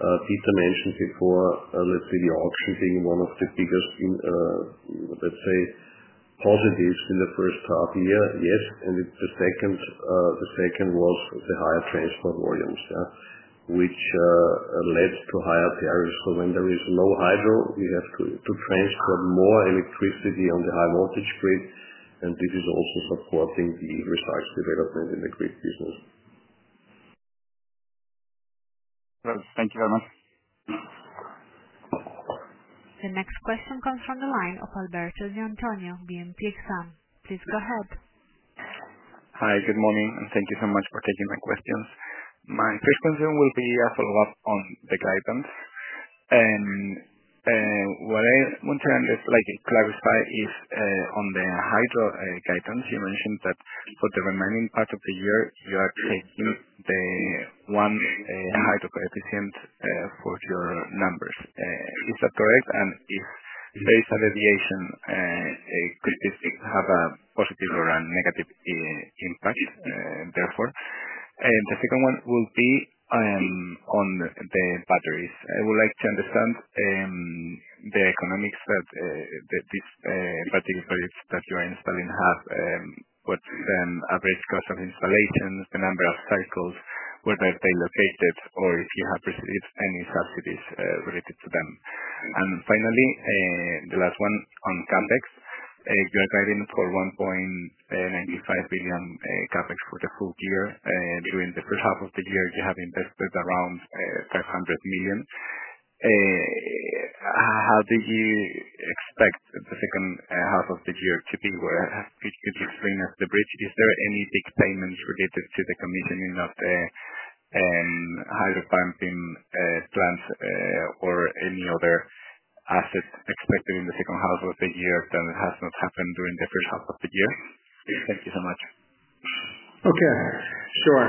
Speaker 3: Peter mentioned before, let's say, the auction being one of the biggest positives in the first half year, yes. The second was the higher transport volumes, which led to higher tariffs. When there is low hydro, you have to transport more electricity on the high-voltage grid, and this is also supporting the research development in the grid business.
Speaker 6: Thank you very much.
Speaker 1: The next question comes from the line of Alberto de Antonio, Exane BNP Paribas. Please go ahead.
Speaker 7: Hi. Good morning. Thank you so much for taking my questions. My first question will be a follow-up on the guidance. What I want to clarify is on the hydro guidance. You mentioned that for the remaining part of the year, you are taking the one hydro coefficient for your numbers. Is that correct? If there is a deviation, could this have a positive or a negative impact, therefore? The second one will be on the batteries. I would like to understand the economics that this particular project that you are installing has. What's the average cost of installations, the number of cycles, where they're located, or if you have received any subsidies related to them? Finally, the last one on CapEx. You are guiding for 1.95 billion CapEx for the full year. During the first half of the year, you have invested around 500 million. How do you expect the second half of the year to be? Could you explain as the bridge? Is there any big payments related to the commissioning of the hydropumping plants or any other asset expected in the second half of the year that has not happened during the first half of the year? Thank you so much.
Speaker 2: Okay. Sure.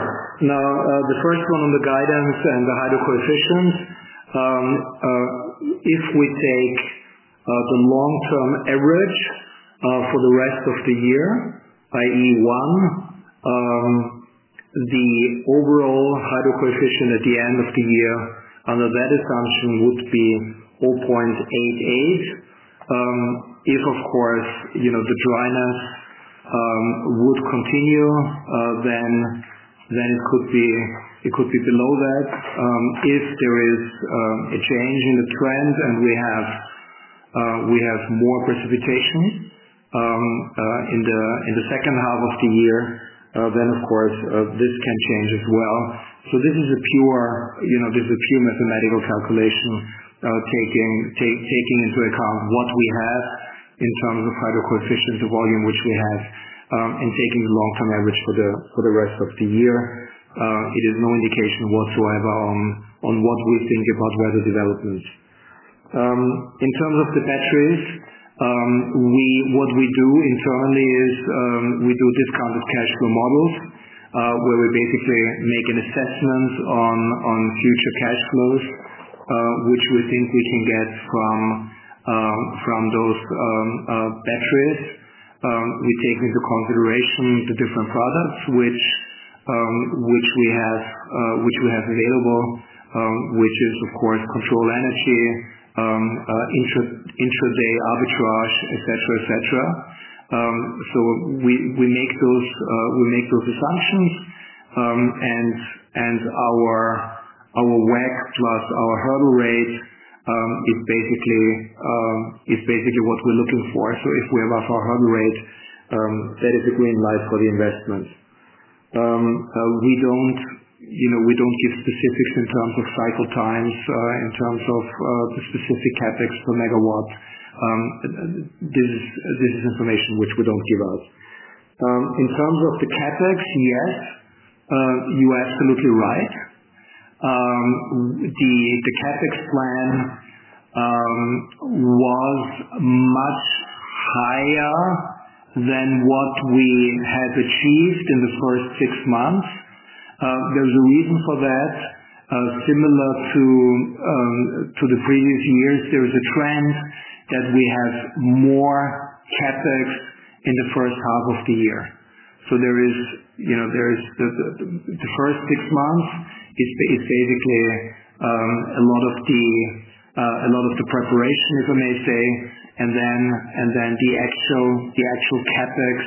Speaker 2: Now, the first one on the guidance and the hydro coefficient. If we take the long-term average for the rest of the year, i.e., one, the overall hydro coefficient at the end of the year under that assumption would be 0.88. If, of course, the dryness would continue, then it could be below that. If there is a change in the trend and we have more precipitation in the second half of the year, then, of course, this can change as well. This is a pure mathematical calculation taking into account what we have in terms of hydro coefficient, the volume which we have, and taking the long-term average for the rest of the year. It is no indication whatsoever on what we think about weather development. In terms of the batteries, what we do internally is we do discounted cash flow models where we basically make an assessment on future cash flows, which we think we can get from those batteries. We take into consideration the different products which we have available, which is, of course, control energy, intraday arbitrage, etc., etc. We make those assumptions, and our WACC plus our hurdle rate is basically what we're looking for. If we have our hurdle rate, that is a green light for the investment. We don't give specifics in terms of cycle times, in terms of the specific CapEx per megawatt. This is information which we don't give out. In terms of the CapEx, yes. You are absolutely right. The CapEx plan was much higher than what we had achieved in the first six months. There's a reason for that. Similar to the previous years, there is a trend that we have more CapEx in the first half of the year. The first six months is basically a lot of the preparation, if I may say, and then the actual CapEx,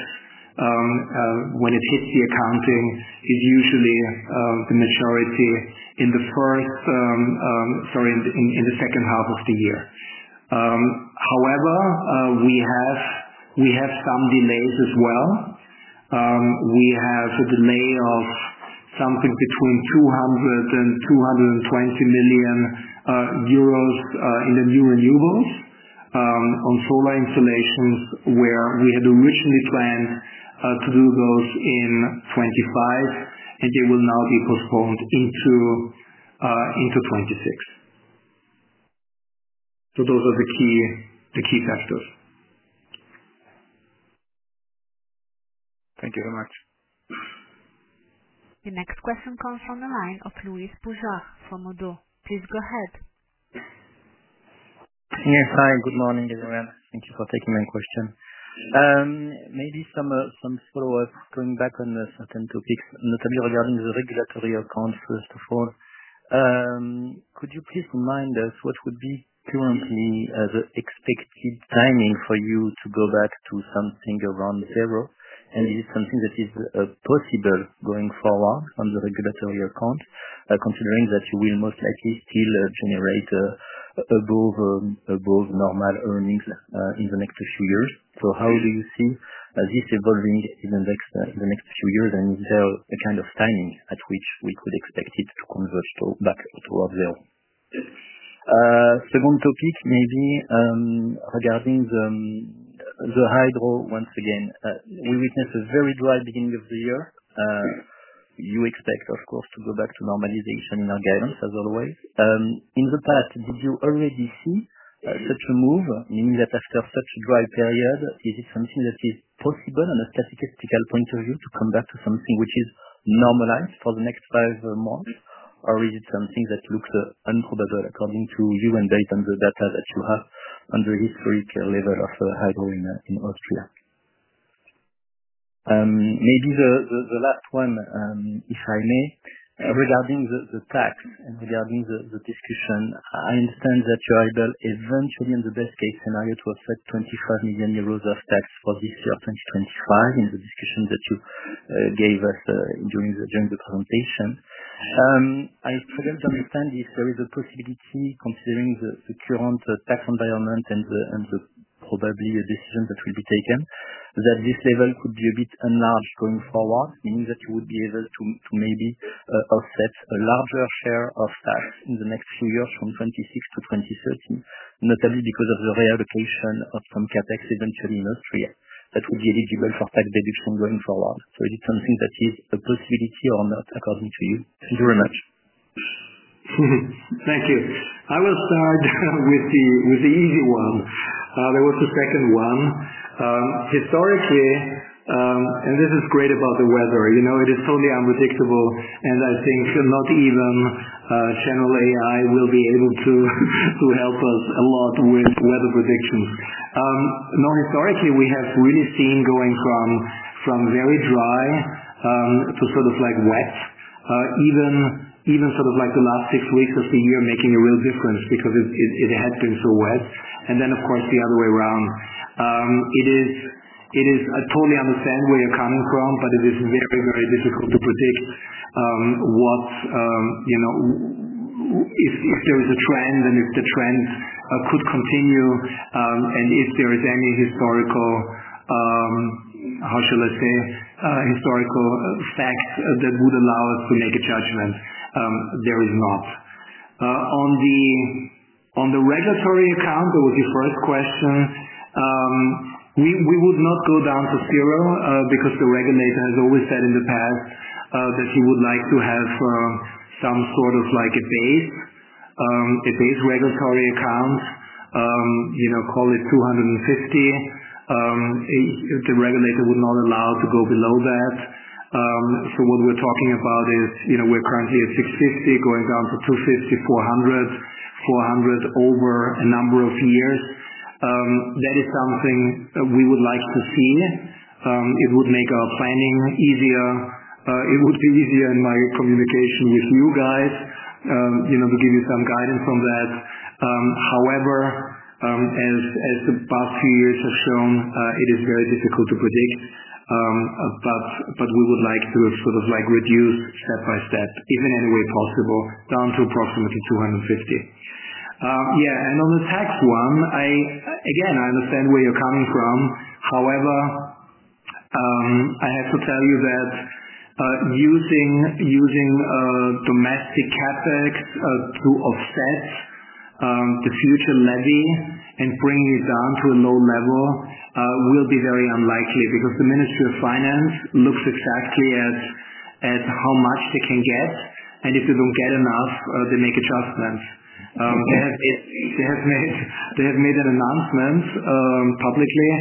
Speaker 2: when it hits the accounting, is usually the majority in the second half of the year. However, we have some delays as well. We have a delay of something between 200 million euros and 220 million euros in the new renewables on solar installations where we had originally planned to do those in 2025, and they will now be postponed into 2026. Those are the key factors.
Speaker 7: Thank you very much.
Speaker 1: The next question comes from the line of Louis Poujoir from Odoo. Please go ahead.
Speaker 8: Yes. Hi. Good morning, everyone. Thank you for taking my question. Maybe some follow-up going back on certain topics, notably regarding the regulatory account, first of all. Could you please remind us what would be currently the expected timing for you to go back to something around zero? Is it something that is possible going forward on the regulatory account, considering that you will most likely still generate above normal earnings in the next few years? How do you see this evolving in the next few years, and is there a kind of timing at which we could expect it to converge back towards zero? Second topic, maybe, regarding the hydro, once again, we witnessed a very dry beginning of the year. You expect, of course, to go back to normalization in our guidance, as always. In the past, did you already see such a move, meaning that after such a dry period, is it something that is possible on a statistical point of view to come back to something which is normalized for the next five months, or is it something that looks unprobable according to you and based on the data that you have on the historic level of hydro in Austria? Maybe the last one, if I may, regarding the tax and regarding the discussion. I understand that you are able, eventually, in the best-case scenario, to affect 25 million euros of tax for this year, 2025, in the discussion that you gave us during the presentation. I struggle to understand if there is a possibility, considering the current tax environment and probably a decision that will be taken, that this level could be a bit enlarged going forward, meaning that you would be able to maybe offset a larger share of tax in the next few years from 2026 to 2027, notably because of the reallocation of some CapEx eventually in Austria that would be eligible for tax deduction going forward. Is it something that is a possibility or not, according to you? Thank you very much.
Speaker 2: Thank you. I will start with the easy one. There was a second one. Historically, this is great about the weather. It is totally unpredictable, and I think not even Channel AI will be able to help us a lot with weather predictions. Historically, we have really seen going from very dry to sort of wet, even sort of the last six weeks of the year making a real difference because it had been so wet, and then, of course, the other way around. I totally understand where you're coming from, but it is very, very difficult to predict. If there is a trend and if the trend could continue, and if there is any historical, how shall I say, historical fact that would allow us to make a judgment. There is not. On the regulatory account, that was your first question. We would not go down to zero because the regulator has always said in the past that he would like to have some sort of a base regulatory account. Call it 250. The regulator would not allow to go below that. What we're talking about is we're currently at 650, going down to 250, 400, 400 over a number of years. That is something we would like to see. It would make our planning easier. It would be easier in my communication with you guys to give you some guidance on that. However, as the past few years have shown, it is very difficult to predict. We would like to sort of reduce step by step, if in any way possible, down to approximately 250. Yeah. On the tax one, again, I understand where you're coming from. However, I have to tell you that using domestic CapEx, To offset the future levy and bringing it down to a low level will be very unlikely because the Ministry of Finance looks exactly at how much they can get, and if they don't get enough, they make adjustments. They have made an announcement publicly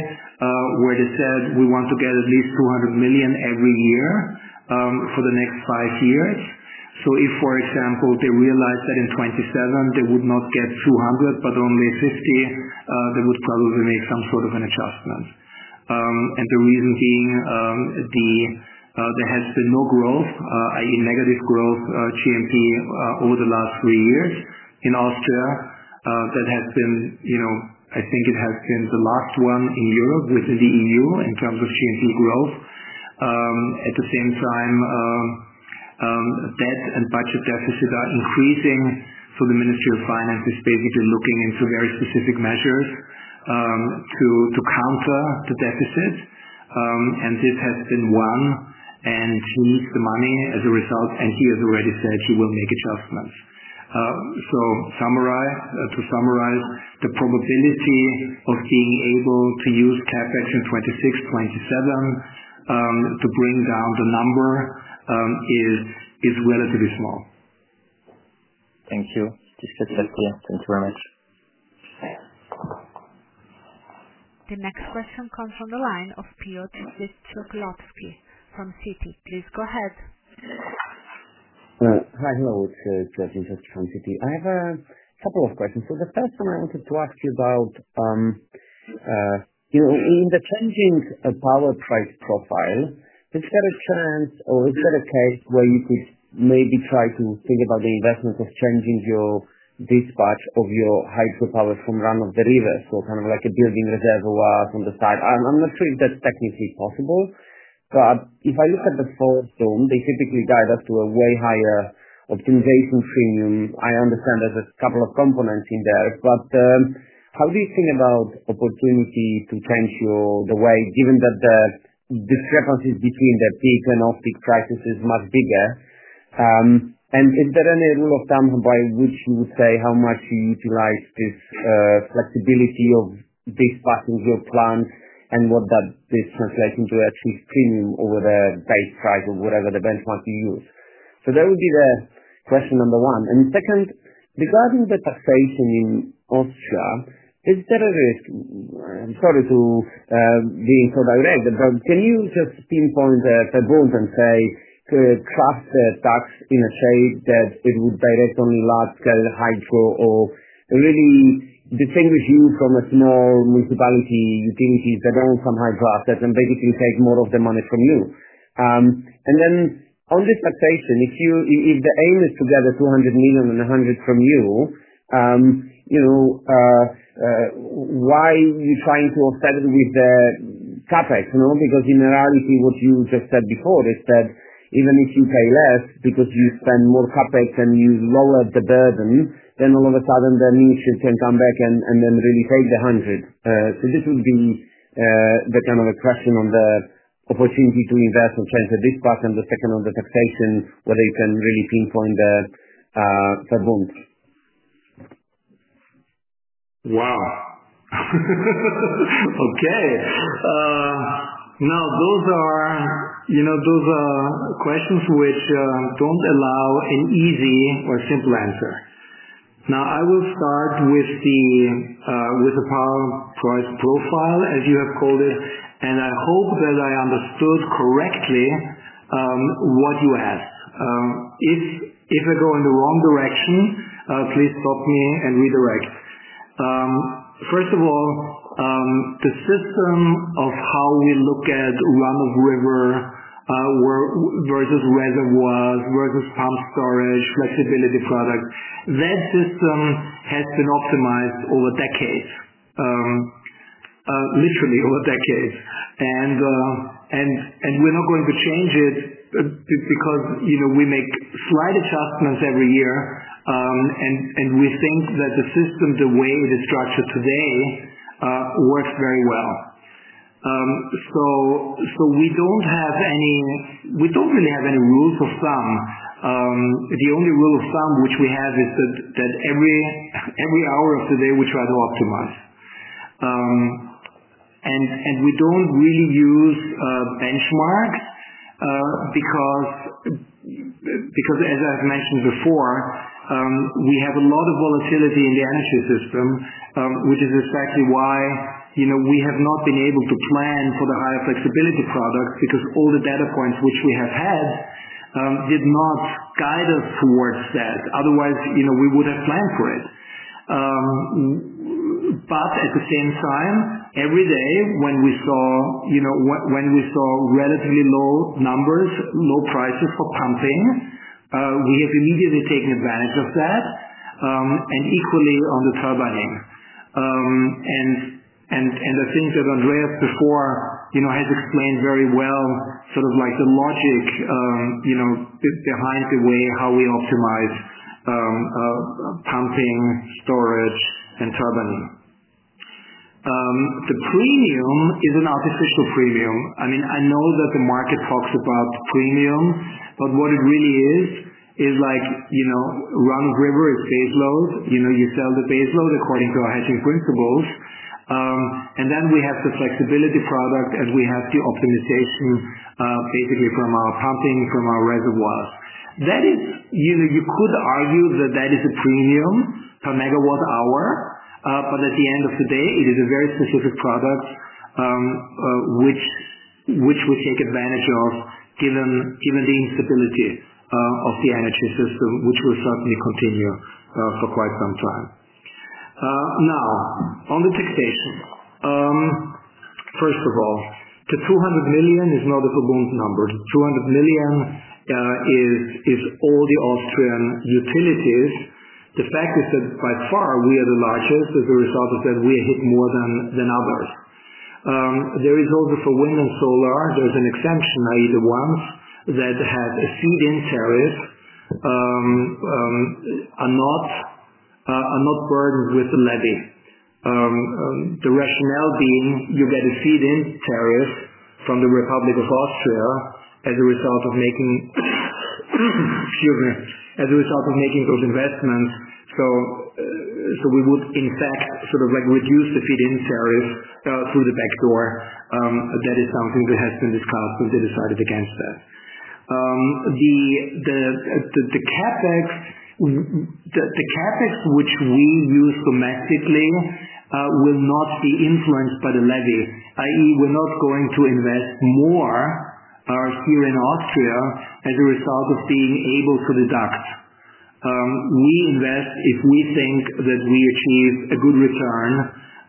Speaker 2: where they said, "We want to get at least 200 million every year for the next five years." For example, if they realize that in 2027 they would not get 200 million but only 50 million, they would probably make some sort of an adjustment. The reason being, there has been no growth, i.e., negative growth, GMP, over the last three years in Austria. That has been, you know, I think it has been the last one in Europe within the EU in terms of GMP growth. At the same time, debt and budget deficit are increasing, so the Ministry of Finance is basically looking into very specific measures to counter the deficit. This has been one, and he needs the money as a result, and he has already said he will make adjustments. To summarize, the probability of being able to use CapEx in 2026, 2027 to bring down the number is relatively small.
Speaker 8: Thank you. This is helpful. Thank you very much.
Speaker 1: The next question comes from the line of Piotr Dzieciolowski from Citi. Please go ahead.
Speaker 9: Hi. Hello. It's Piotr Dzieciolowski from Citi. I have a couple of questions. The first one I wanted to ask you about, in the changing power price profile, is there a chance, or is there a case where you could maybe try to think about the investment of changing your dispatch of your hydropower from run of the river, so kind of like building a reservoir from the side? I'm not sure if that's technically possible, but if I look at the fall zone, they typically guide us to a way higher optimization premium. I understand there's a couple of components in there, but how do you think about opportunity to change your, the way, given that the discrepancies between the peak and off-peak prices is much bigger? Is there any rule of thumb by which you would say how much you utilize this flexibility of dispatching your plant and what that translates into, at least premium over the base price or whatever the benchmark you use? That would be question number one. Second, regarding the taxation in Austria, is there a risk? I'm sorry to be so direct, but can you just pinpoint the bond and say, trust the tax in a shape that it would direct only large-scale hydro or really distinguish you from small municipality utilities that own some hydro assets and basically take more of the money from you? On this taxation, if the aim is to get the 200 million and 100 million from you, why are you trying to offset it with the CapEx? Because in reality, what you just said before is that even if you pay less because you spend more CapEx and you lower the burden, then all of a sudden the need should then come back and really take the 100 million. This would be the kind of a question on the opportunity to invest and change the dispatch and the second on the taxation, whether you can really pinpoint the bond.
Speaker 2: Wow. Okay. Now those are, you know, those are questions which don't allow an easy or simple answer. I will start with the power price profile, as you have called it, and I hope that I understood correctly what you asked. If I go in the wrong direction, please stop me and redirect. First of all, the system of how we look at run of river, versus reservoirs, versus pump storage, flexibility products, that system has been optimized over decades, literally over decades. We're not going to change it because, you know, we make slight adjustments every year, and we think that the system, the way it is structured today, works very well. We don't really have any rules of thumb. The only rule of thumb which we have is that every hour of the day we try to optimize. We don't really use benchmarks, because, as I've mentioned before, we have a lot of volatility in the energy system, which is exactly why we have not been able to plan for the higher flexibility products because all the data points which we have had did not guide us towards that. Otherwise, you know, we would have planned for it. At the same time, every day when we saw relatively low numbers, low prices for pumping, we have immediately taken advantage of that, and equally on the turbine. The things that Andreas before has explained very well, sort of like the logic behind the way how we optimize pumping, storage, and turbine. The premium is an artificial premium. I mean, I know that the market talks about premium, but what it really is, is like, you know, run of river is baseload. You sell the baseload according to our hedging principles, and then we have the flexibility products, and we have the optimization, basically from our pumping, from our reservoirs. That is, you know, you could argue that that is a premium per megawatt hour, but at the end of the day, it is a very specific product, which we take advantage of given the instability of the energy system, which will certainly continue for quite some time. Now, on the taxation, first of all, the 200 million is not a bond number. The 200 million is all the Austrian utilities. The fact is that by far we are the largest. As a result of that we are hit more than others. There is also for wind and solar, there's an exemption, i.e., the ones that have a feed-in tariff are not burdened with the levy. The rationale being you get a feed-in tariff from the Republic of Austria as a result of making those investments. Excuse me, as a result of making those investments. We would, in fact, sort of like reduce the feed-in tariff through the back door. That is something that has been discussed, and they decided against that. The CapEx which we use domestically will not be influenced by the levy, i.e., we're not going to invest more here in Austria as a result of being able to deduct. We invest if we think that we achieve a good return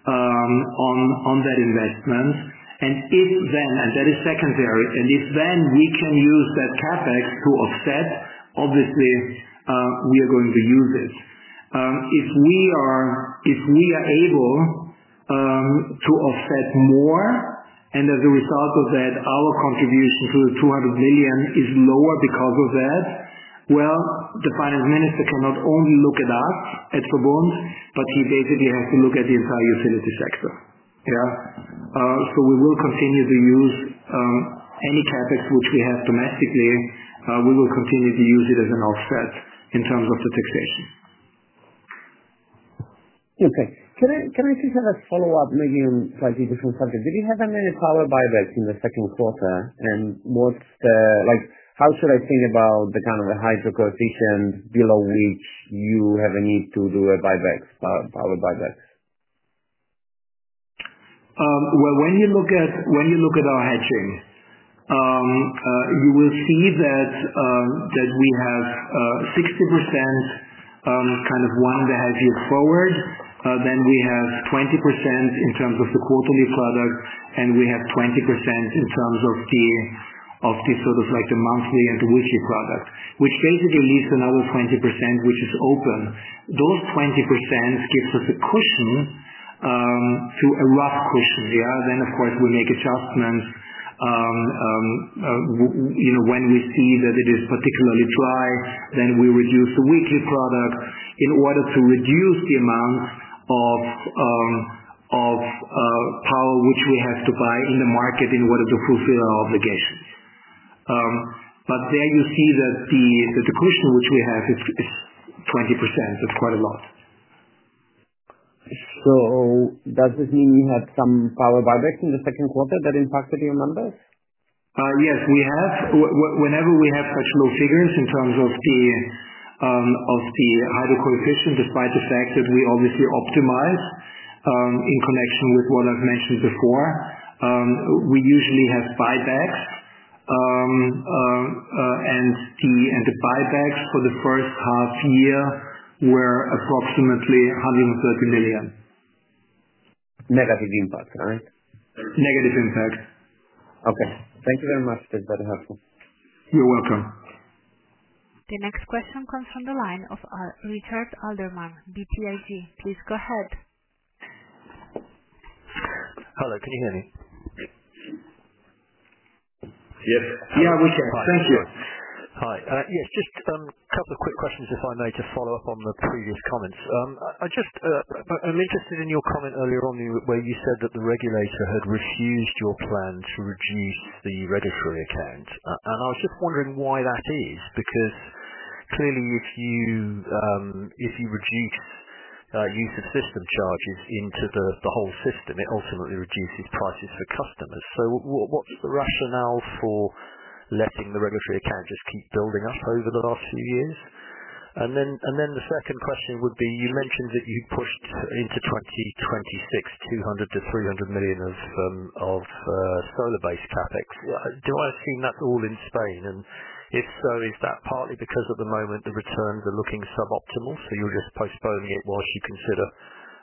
Speaker 2: on that investment. If then, and that is secondary, if then we can use that CapEx to offset, obviously, we are going to use it if we are able to offset more, and as a result of that, our contribution to the 200 million is lower because of that. The finance minister cannot only look at us, at VERBUND, but he basically has to look at the entire utility sector. We will continue to use any CapEx which we have domestically. We will continue to use it as an offset in terms of the taxation.
Speaker 9: Okay. Can I just have a follow-up, maybe on a slightly different subject? Did you have any power buybacks in the second quarter? What's the, like, how should I think about the kind of the hydro coefficient below which you have a need to do a buyback, power buyback?
Speaker 2: When you look at our hedging, you will see that we have 60% kind of one-and-a-half year forward. We have 20% in terms of the quarterly product, and we have 20% in terms of the sort of like the monthly and the weekly product, which basically leaves another 20% which is open. Those 20% gives us a cushion, a rough cushion. Of course, we make adjustments when we see that it is particularly dry, then we reduce the weekly product in order to reduce the amount of power which we have to buy in the market in order to fulfill our obligations. There you see that the cushion which we have is 20%. That's quite a lot.
Speaker 9: Does this mean you had some power buybacks in the second quarter that impacted your numbers?
Speaker 2: Yes, we have. Whenever we have such low figures in terms of the hydro coefficient, despite the fact that we obviously optimized in connection with what I've mentioned before, we usually have buybacks. The buybacks for the first half year were approximately 130 million.
Speaker 9: Negative impact, right?
Speaker 2: Negative impact.
Speaker 9: Okay, thank you very much. That's very helpful.
Speaker 2: You're welcome.
Speaker 1: The next question comes from the line of Richard Alderman, BTIG. Please go ahead.
Speaker 10: Hello. Can you hear me?
Speaker 3: Yes.
Speaker 2: Yeah, we can. Thank you.
Speaker 10: Hi. Yes, just a couple of quick questions, if I may, to follow up on the previous comments. I'm interested in your comment earlier on where you said that the regulator had refused your plan to reduce the regulatory account. I was just wondering why that is, because clearly if you reduce use of system charges into the whole system, it ultimately reduces prices for customers. What's the rationale for letting the regulatory account just keep building up over the last few years? The second question would be, you mentioned that you pushed into 2026, 200 million to 300 million of solar-based CapEx. Do I assume that's all in Spain? If so, is that partly because at the moment the returns are looking suboptimal, so you're just postponing it whilst you consider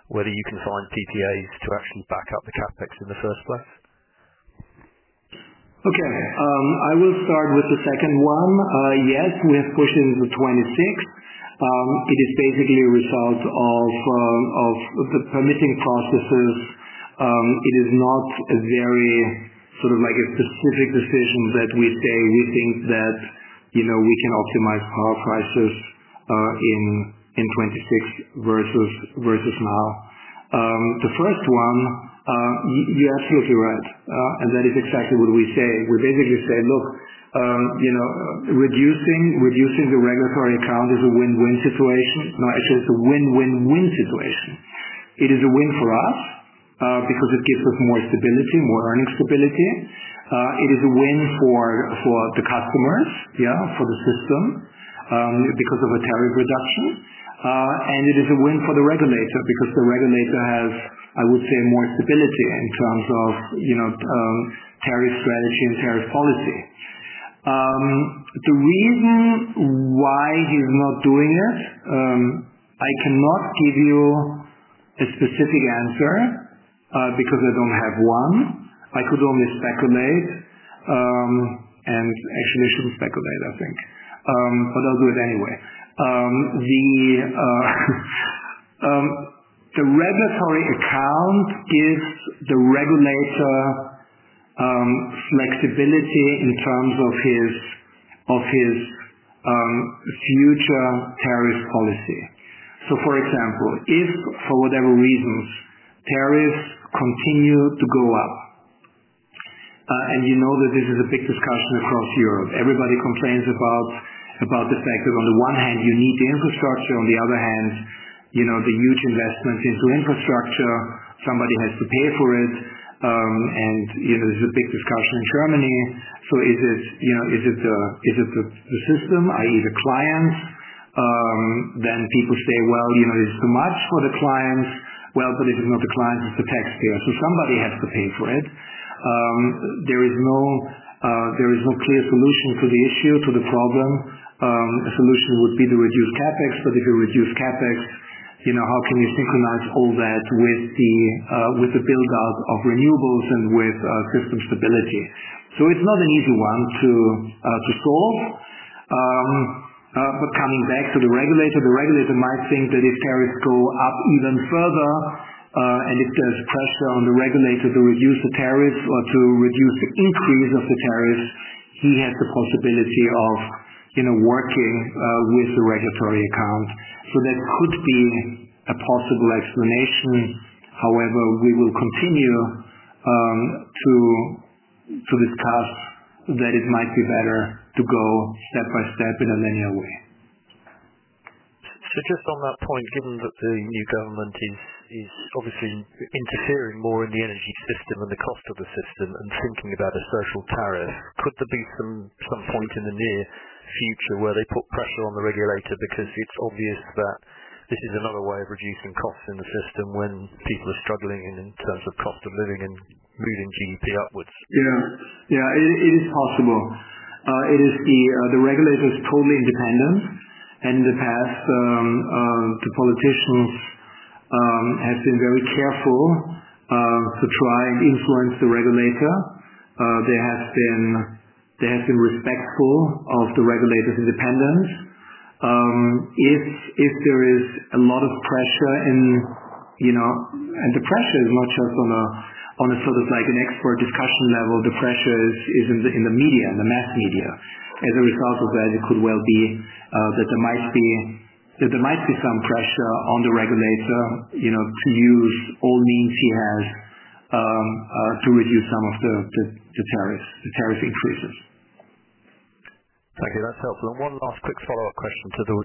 Speaker 10: whether you can find PPAs to actually back up the CapEx in the first place?
Speaker 2: Okay. I will start with the second one. Yes, we have pushed into 2026. It is basically a result of the permitting processes. It is not a very specific decision that we say we think that, you know, we can optimize power prices in 2026 versus now. The first one, you're absolutely right. That is exactly what we say. We basically say, "Look, you know, reducing the regulatory account is a win-win situation." No, actually, it's a win-win-win situation. It is a win for us, because it gives us more stability, more earnings stability. It is a win for the customers, for the system, because of a tariff reduction. It is a win for the regulator because the regulator has, I would say, more stability in terms of tariff strategy and tariff policy. The reason why he's not doing it, I cannot give you a specific answer, because I don't have one. I could only speculate. Actually, I shouldn't speculate, I think, but I'll do it anyway. The regulatory account gives the regulator flexibility in terms of his future tariff policy. For example, if for whatever reasons tariffs continue to go up, and you know that this is a big discussion across Europe, everybody complains about the fact that on the one hand, you need the infrastructure. On the other hand, the huge investment into infrastructure, somebody has to pay for it. You know, there's a big discussion in Germany. Is it the system, i.e., the clients? Then people say, "You know, it's too much for the clients." It is not the clients. It's the taxpayers. Somebody has to pay for it. There is no clear solution to the issue, to the problem. A solution would be to reduce CapEx. If you reduce CapEx, how can you synchronize all that with the build-up of renewables and with system stability? It's not an easy one to solve. Coming back to the regulator, the regulator might think that if tariffs go up even further, and it does pressure on the regulator to reduce the tariffs or to reduce the increase of the tariffs, he has the possibility of working with the regulatory account. That could be a possible explanation. However, we will continue to discuss that it might be better to go step by step in a linear way.
Speaker 10: Just on that point, given that the new government is obviously interfering more in the energy system and the cost of the system and thinking about a social tariff, could there be some point in the near future where they put pressure on the regulator because it's obvious that this is another way of reducing costs in the system when people are struggling in terms of cost of living and moving GDP upwards?
Speaker 2: Yeah. It is possible. The regulator is totally independent. In the past, the politicians have been very careful to try and influence the regulator. They have been respectful of the regulator's independence. If there is a lot of pressure, you know, and the pressure is not just on a sort of like an expert discussion level, the pressure is in the media, in the mass media. As a result of that, it could well be that there might be some pressure on the regulator, you know, to use all means he has to reduce some of the tariff increases.
Speaker 10: Thank you. That's helpful. One last quick follow-up question to the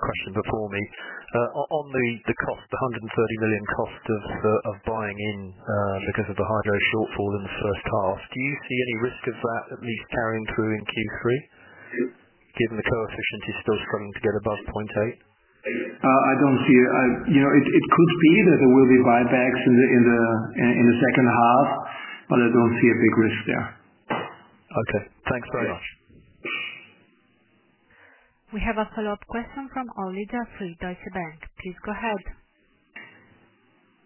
Speaker 10: question before me. On the cost, the 130 million cost of buying in because of the hydro shortfall in the first half, do you see any risk of that at least carrying through in Q3, given the coefficient is still struggling to get above 0.8?
Speaker 2: I don't see it. It could be that there will be buybacks in the second half, but I don't see a big risk there.
Speaker 10: Okay, thanks very much.
Speaker 1: We have a follow-up question from Olly Jeffery from Deutsche Bank. Please go ahead.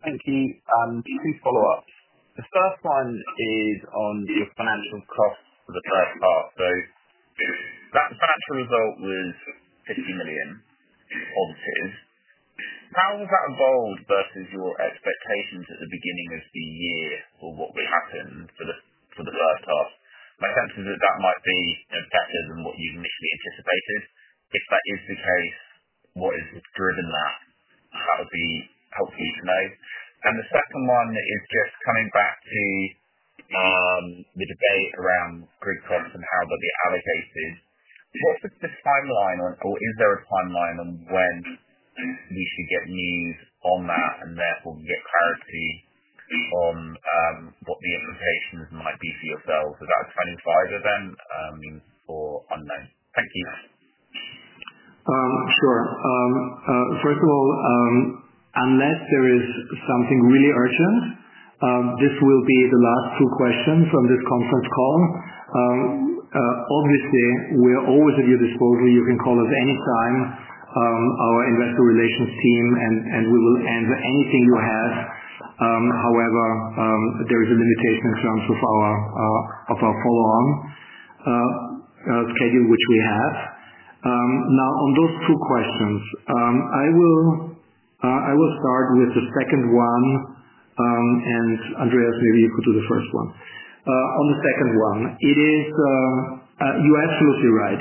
Speaker 5: Thank you. Two follow-ups. The first one is on your financial costs for the first half. That financial result was 50 million, positive. How has that evolved versus your expectations at the beginning of the year for what would happen for the first half? My sense is that that might be, you know, better than what you initially anticipated. If that is the case, what has driven that? That would be helpful to know. The second one is just coming back to the debate around grid costs and how they'll be allocated. What's the timeline on, or is there a timeline on when we should get news on that and therefore get clarity on what the implications might be for yourselves without 2025 event, or unknown? Thank you.
Speaker 2: Sure. First of all, unless there is something really urgent, this will be the last two questions on this conference call. Obviously, we're always at your disposal. You can call us anytime. Our Investor Relations team, and we will answer anything you have. However, there is a limitation in terms of our follow-on schedule which we have. Now, on those two questions, I will start with the second one. Andreas, maybe you could do the first one. On the second one, you're absolutely right.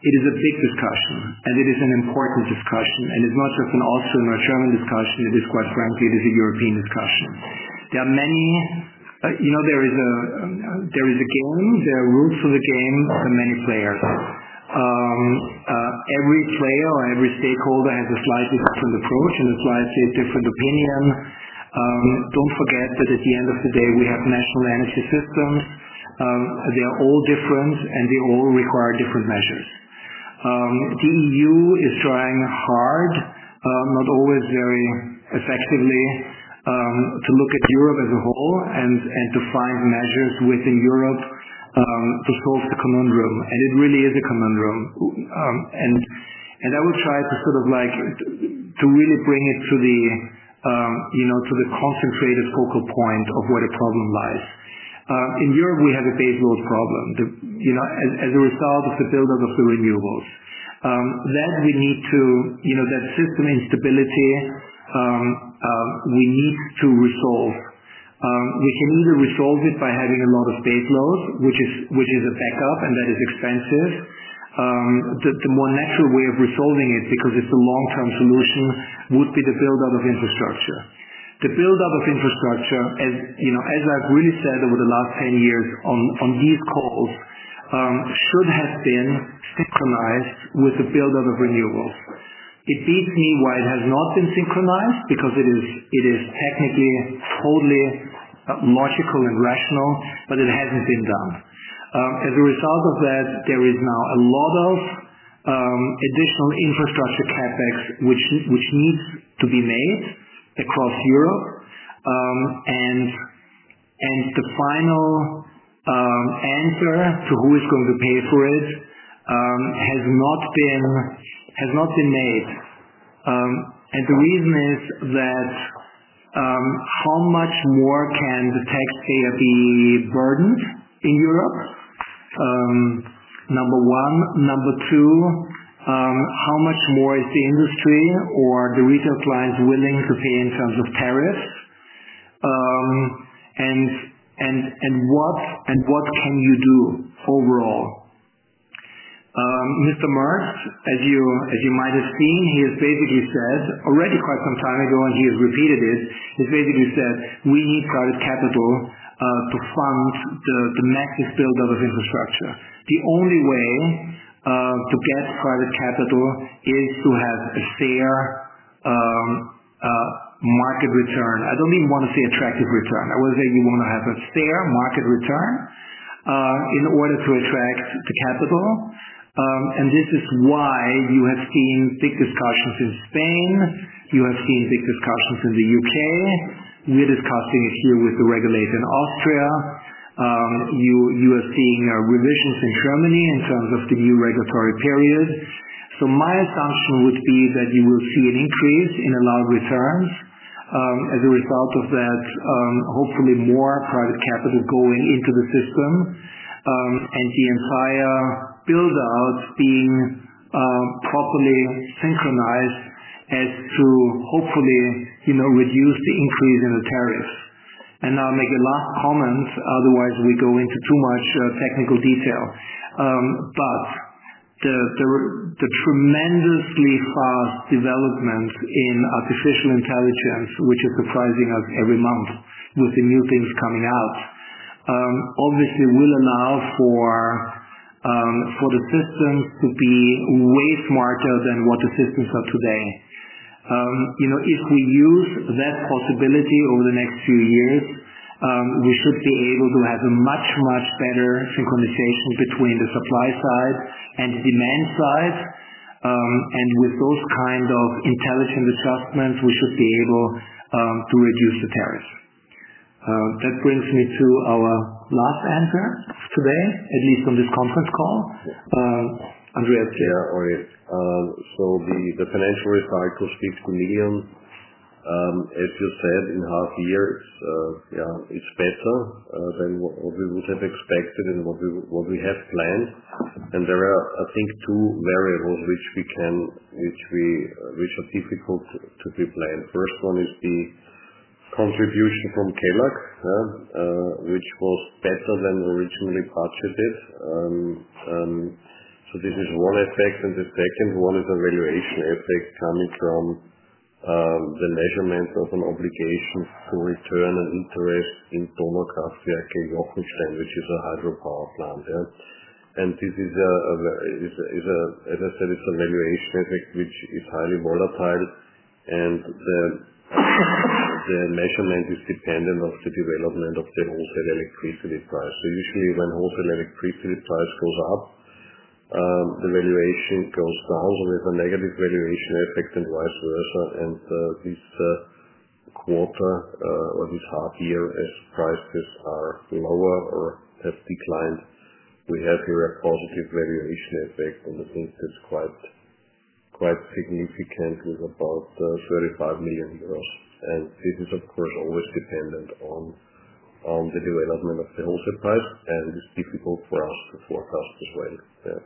Speaker 2: It is a big discussion, and it is an important discussion. It's not just an Austria and German discussion. Quite frankly, it is a European discussion. There are many, you know, there is a game. There are rules to the game. There are many players. Every player or every stakeholder has a slightly different approach and a slightly different opinion. Don't forget that at the end of the day, we have national energy systems. They are all different, and they all require different measures. The EU is trying hard, not always very effectively, to look at Europe as a whole and to find measures within Europe to solve the conundrum. It really is a conundrum. I will try to sort of like, to really bring it to the concentrated focal point of where the problem lies. In Europe, we have a baseload problem. As a result of the build-up of the renewables that we need to, you know, that system instability, we need to resolve. We can either resolve it by having a lot of baseloads, which is a backup, and that is expensive. The more natural way of resolving it, because it's a long-term solution, would be the build-up of infrastructure. The build-up of infrastructure, as I've really said over the last 10 years on these calls, should have been synchronized with the build-up of renewables. It beats me why it has not been synchronized because it is technically totally logical and rational, but it hasn't been done. As a result of that, there is now a lot of additional infrastructure CapEx which needs to be made across Europe. The final answer to who is going to pay for it has not been made. The reason is that how much more can the taxpayer be burdened in Europe? Number one. Number two, how much more is the industry or the retail clients willing to pay in terms of tariffs? What can you do overall? Mr. Merz, as you might have seen, he has basically said already quite some time ago, and he has repeated it. He's basically said, "We need private capital to fund the massive build-up of infrastructure." The only way to get private capital is to have a fair market return. I don't even want to say attractive return. I want to say you want to have a fair market return in order to attract the capital. This is why you have seen big discussions in Spain. You have seen big discussions in the U.K. We're discussing it here with the regulator in Austria. You are seeing revisions in Germany in terms of the new regulatory period. My assumption would be that you will see an increase in allowed returns as a result of that, hopefully more private capital going into the system, and the entire build-up being properly synchronized as to hopefully reduce the increase in the tariffs. Now I'll make a last comment, otherwise we go into too much technical detail. The tremendously fast development in artificial intelligence, which is surprising us every month with new things coming out, obviously will allow for the systems to be way smarter than what the systems are today. If we use that possibility over the next few years, we should be able to have a much, much better synchronization between the supply side and the demand side. With those kind of intelligent adjustments, we should be able to reduce the tariffs. That brings me to our last answer today, at least on this conference call. Andreas.
Speaker 3: Yeah, Olly. So the financial results will speak to millions. As you said, in half a year, it's, yeah, it's better than what we would have expected and what we have planned. There are, I think, two variables which we can, which are difficult to be planned. First one is the contribution from Kellogg, which was better than originally budgeted. This is one effect. The second one is a valuation effect coming from the measurement of an obligation to return an interest in Donaukraftwerk Jochenstein, which is a hydropower plant, yeah? This is, as I said, it's a valuation effect which is highly volatile. The measurement is dependent on the development of the wholesale electricity price. Usually when wholesale electricity price goes up, the valuation goes down. There's a negative valuation effect and vice versa. This quarter, or this half year, as prices are lower or have declined, we have here a positive valuation effect. I think that's quite significant with about 35 million euros. This is, of course, always dependent on the development of the wholesale price. It's difficult for us to forecast as well,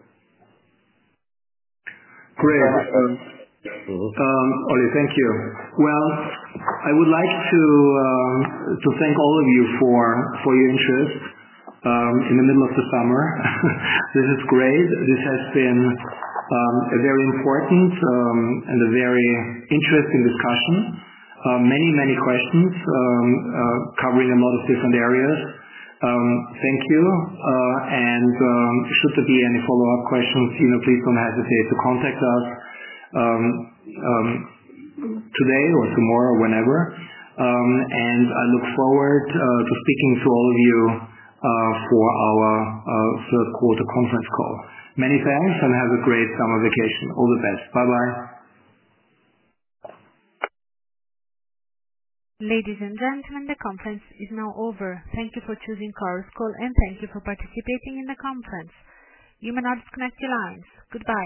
Speaker 3: yeah.
Speaker 5: Great.
Speaker 2: Mm-hmm. Thank you. I would like to thank all of you for your interest, in the middle of the summer. This is great. This has been a very important and a very interesting discussion. Many questions, covering a lot of different areas. Thank you. Should there be any follow-up questions, please don't hesitate to contact us. Today or tomorrow or whenever. I look forward to speaking to all of you for our third quarter conference call. Many thanks and have a great summer vacation. All the best. Bye-bye.
Speaker 1: Ladies and gentlemen, the conference is now over. Thank you for choosing VERBUND AG, and thank you for participating in the conference. You may now disconnect your lines. Goodbye.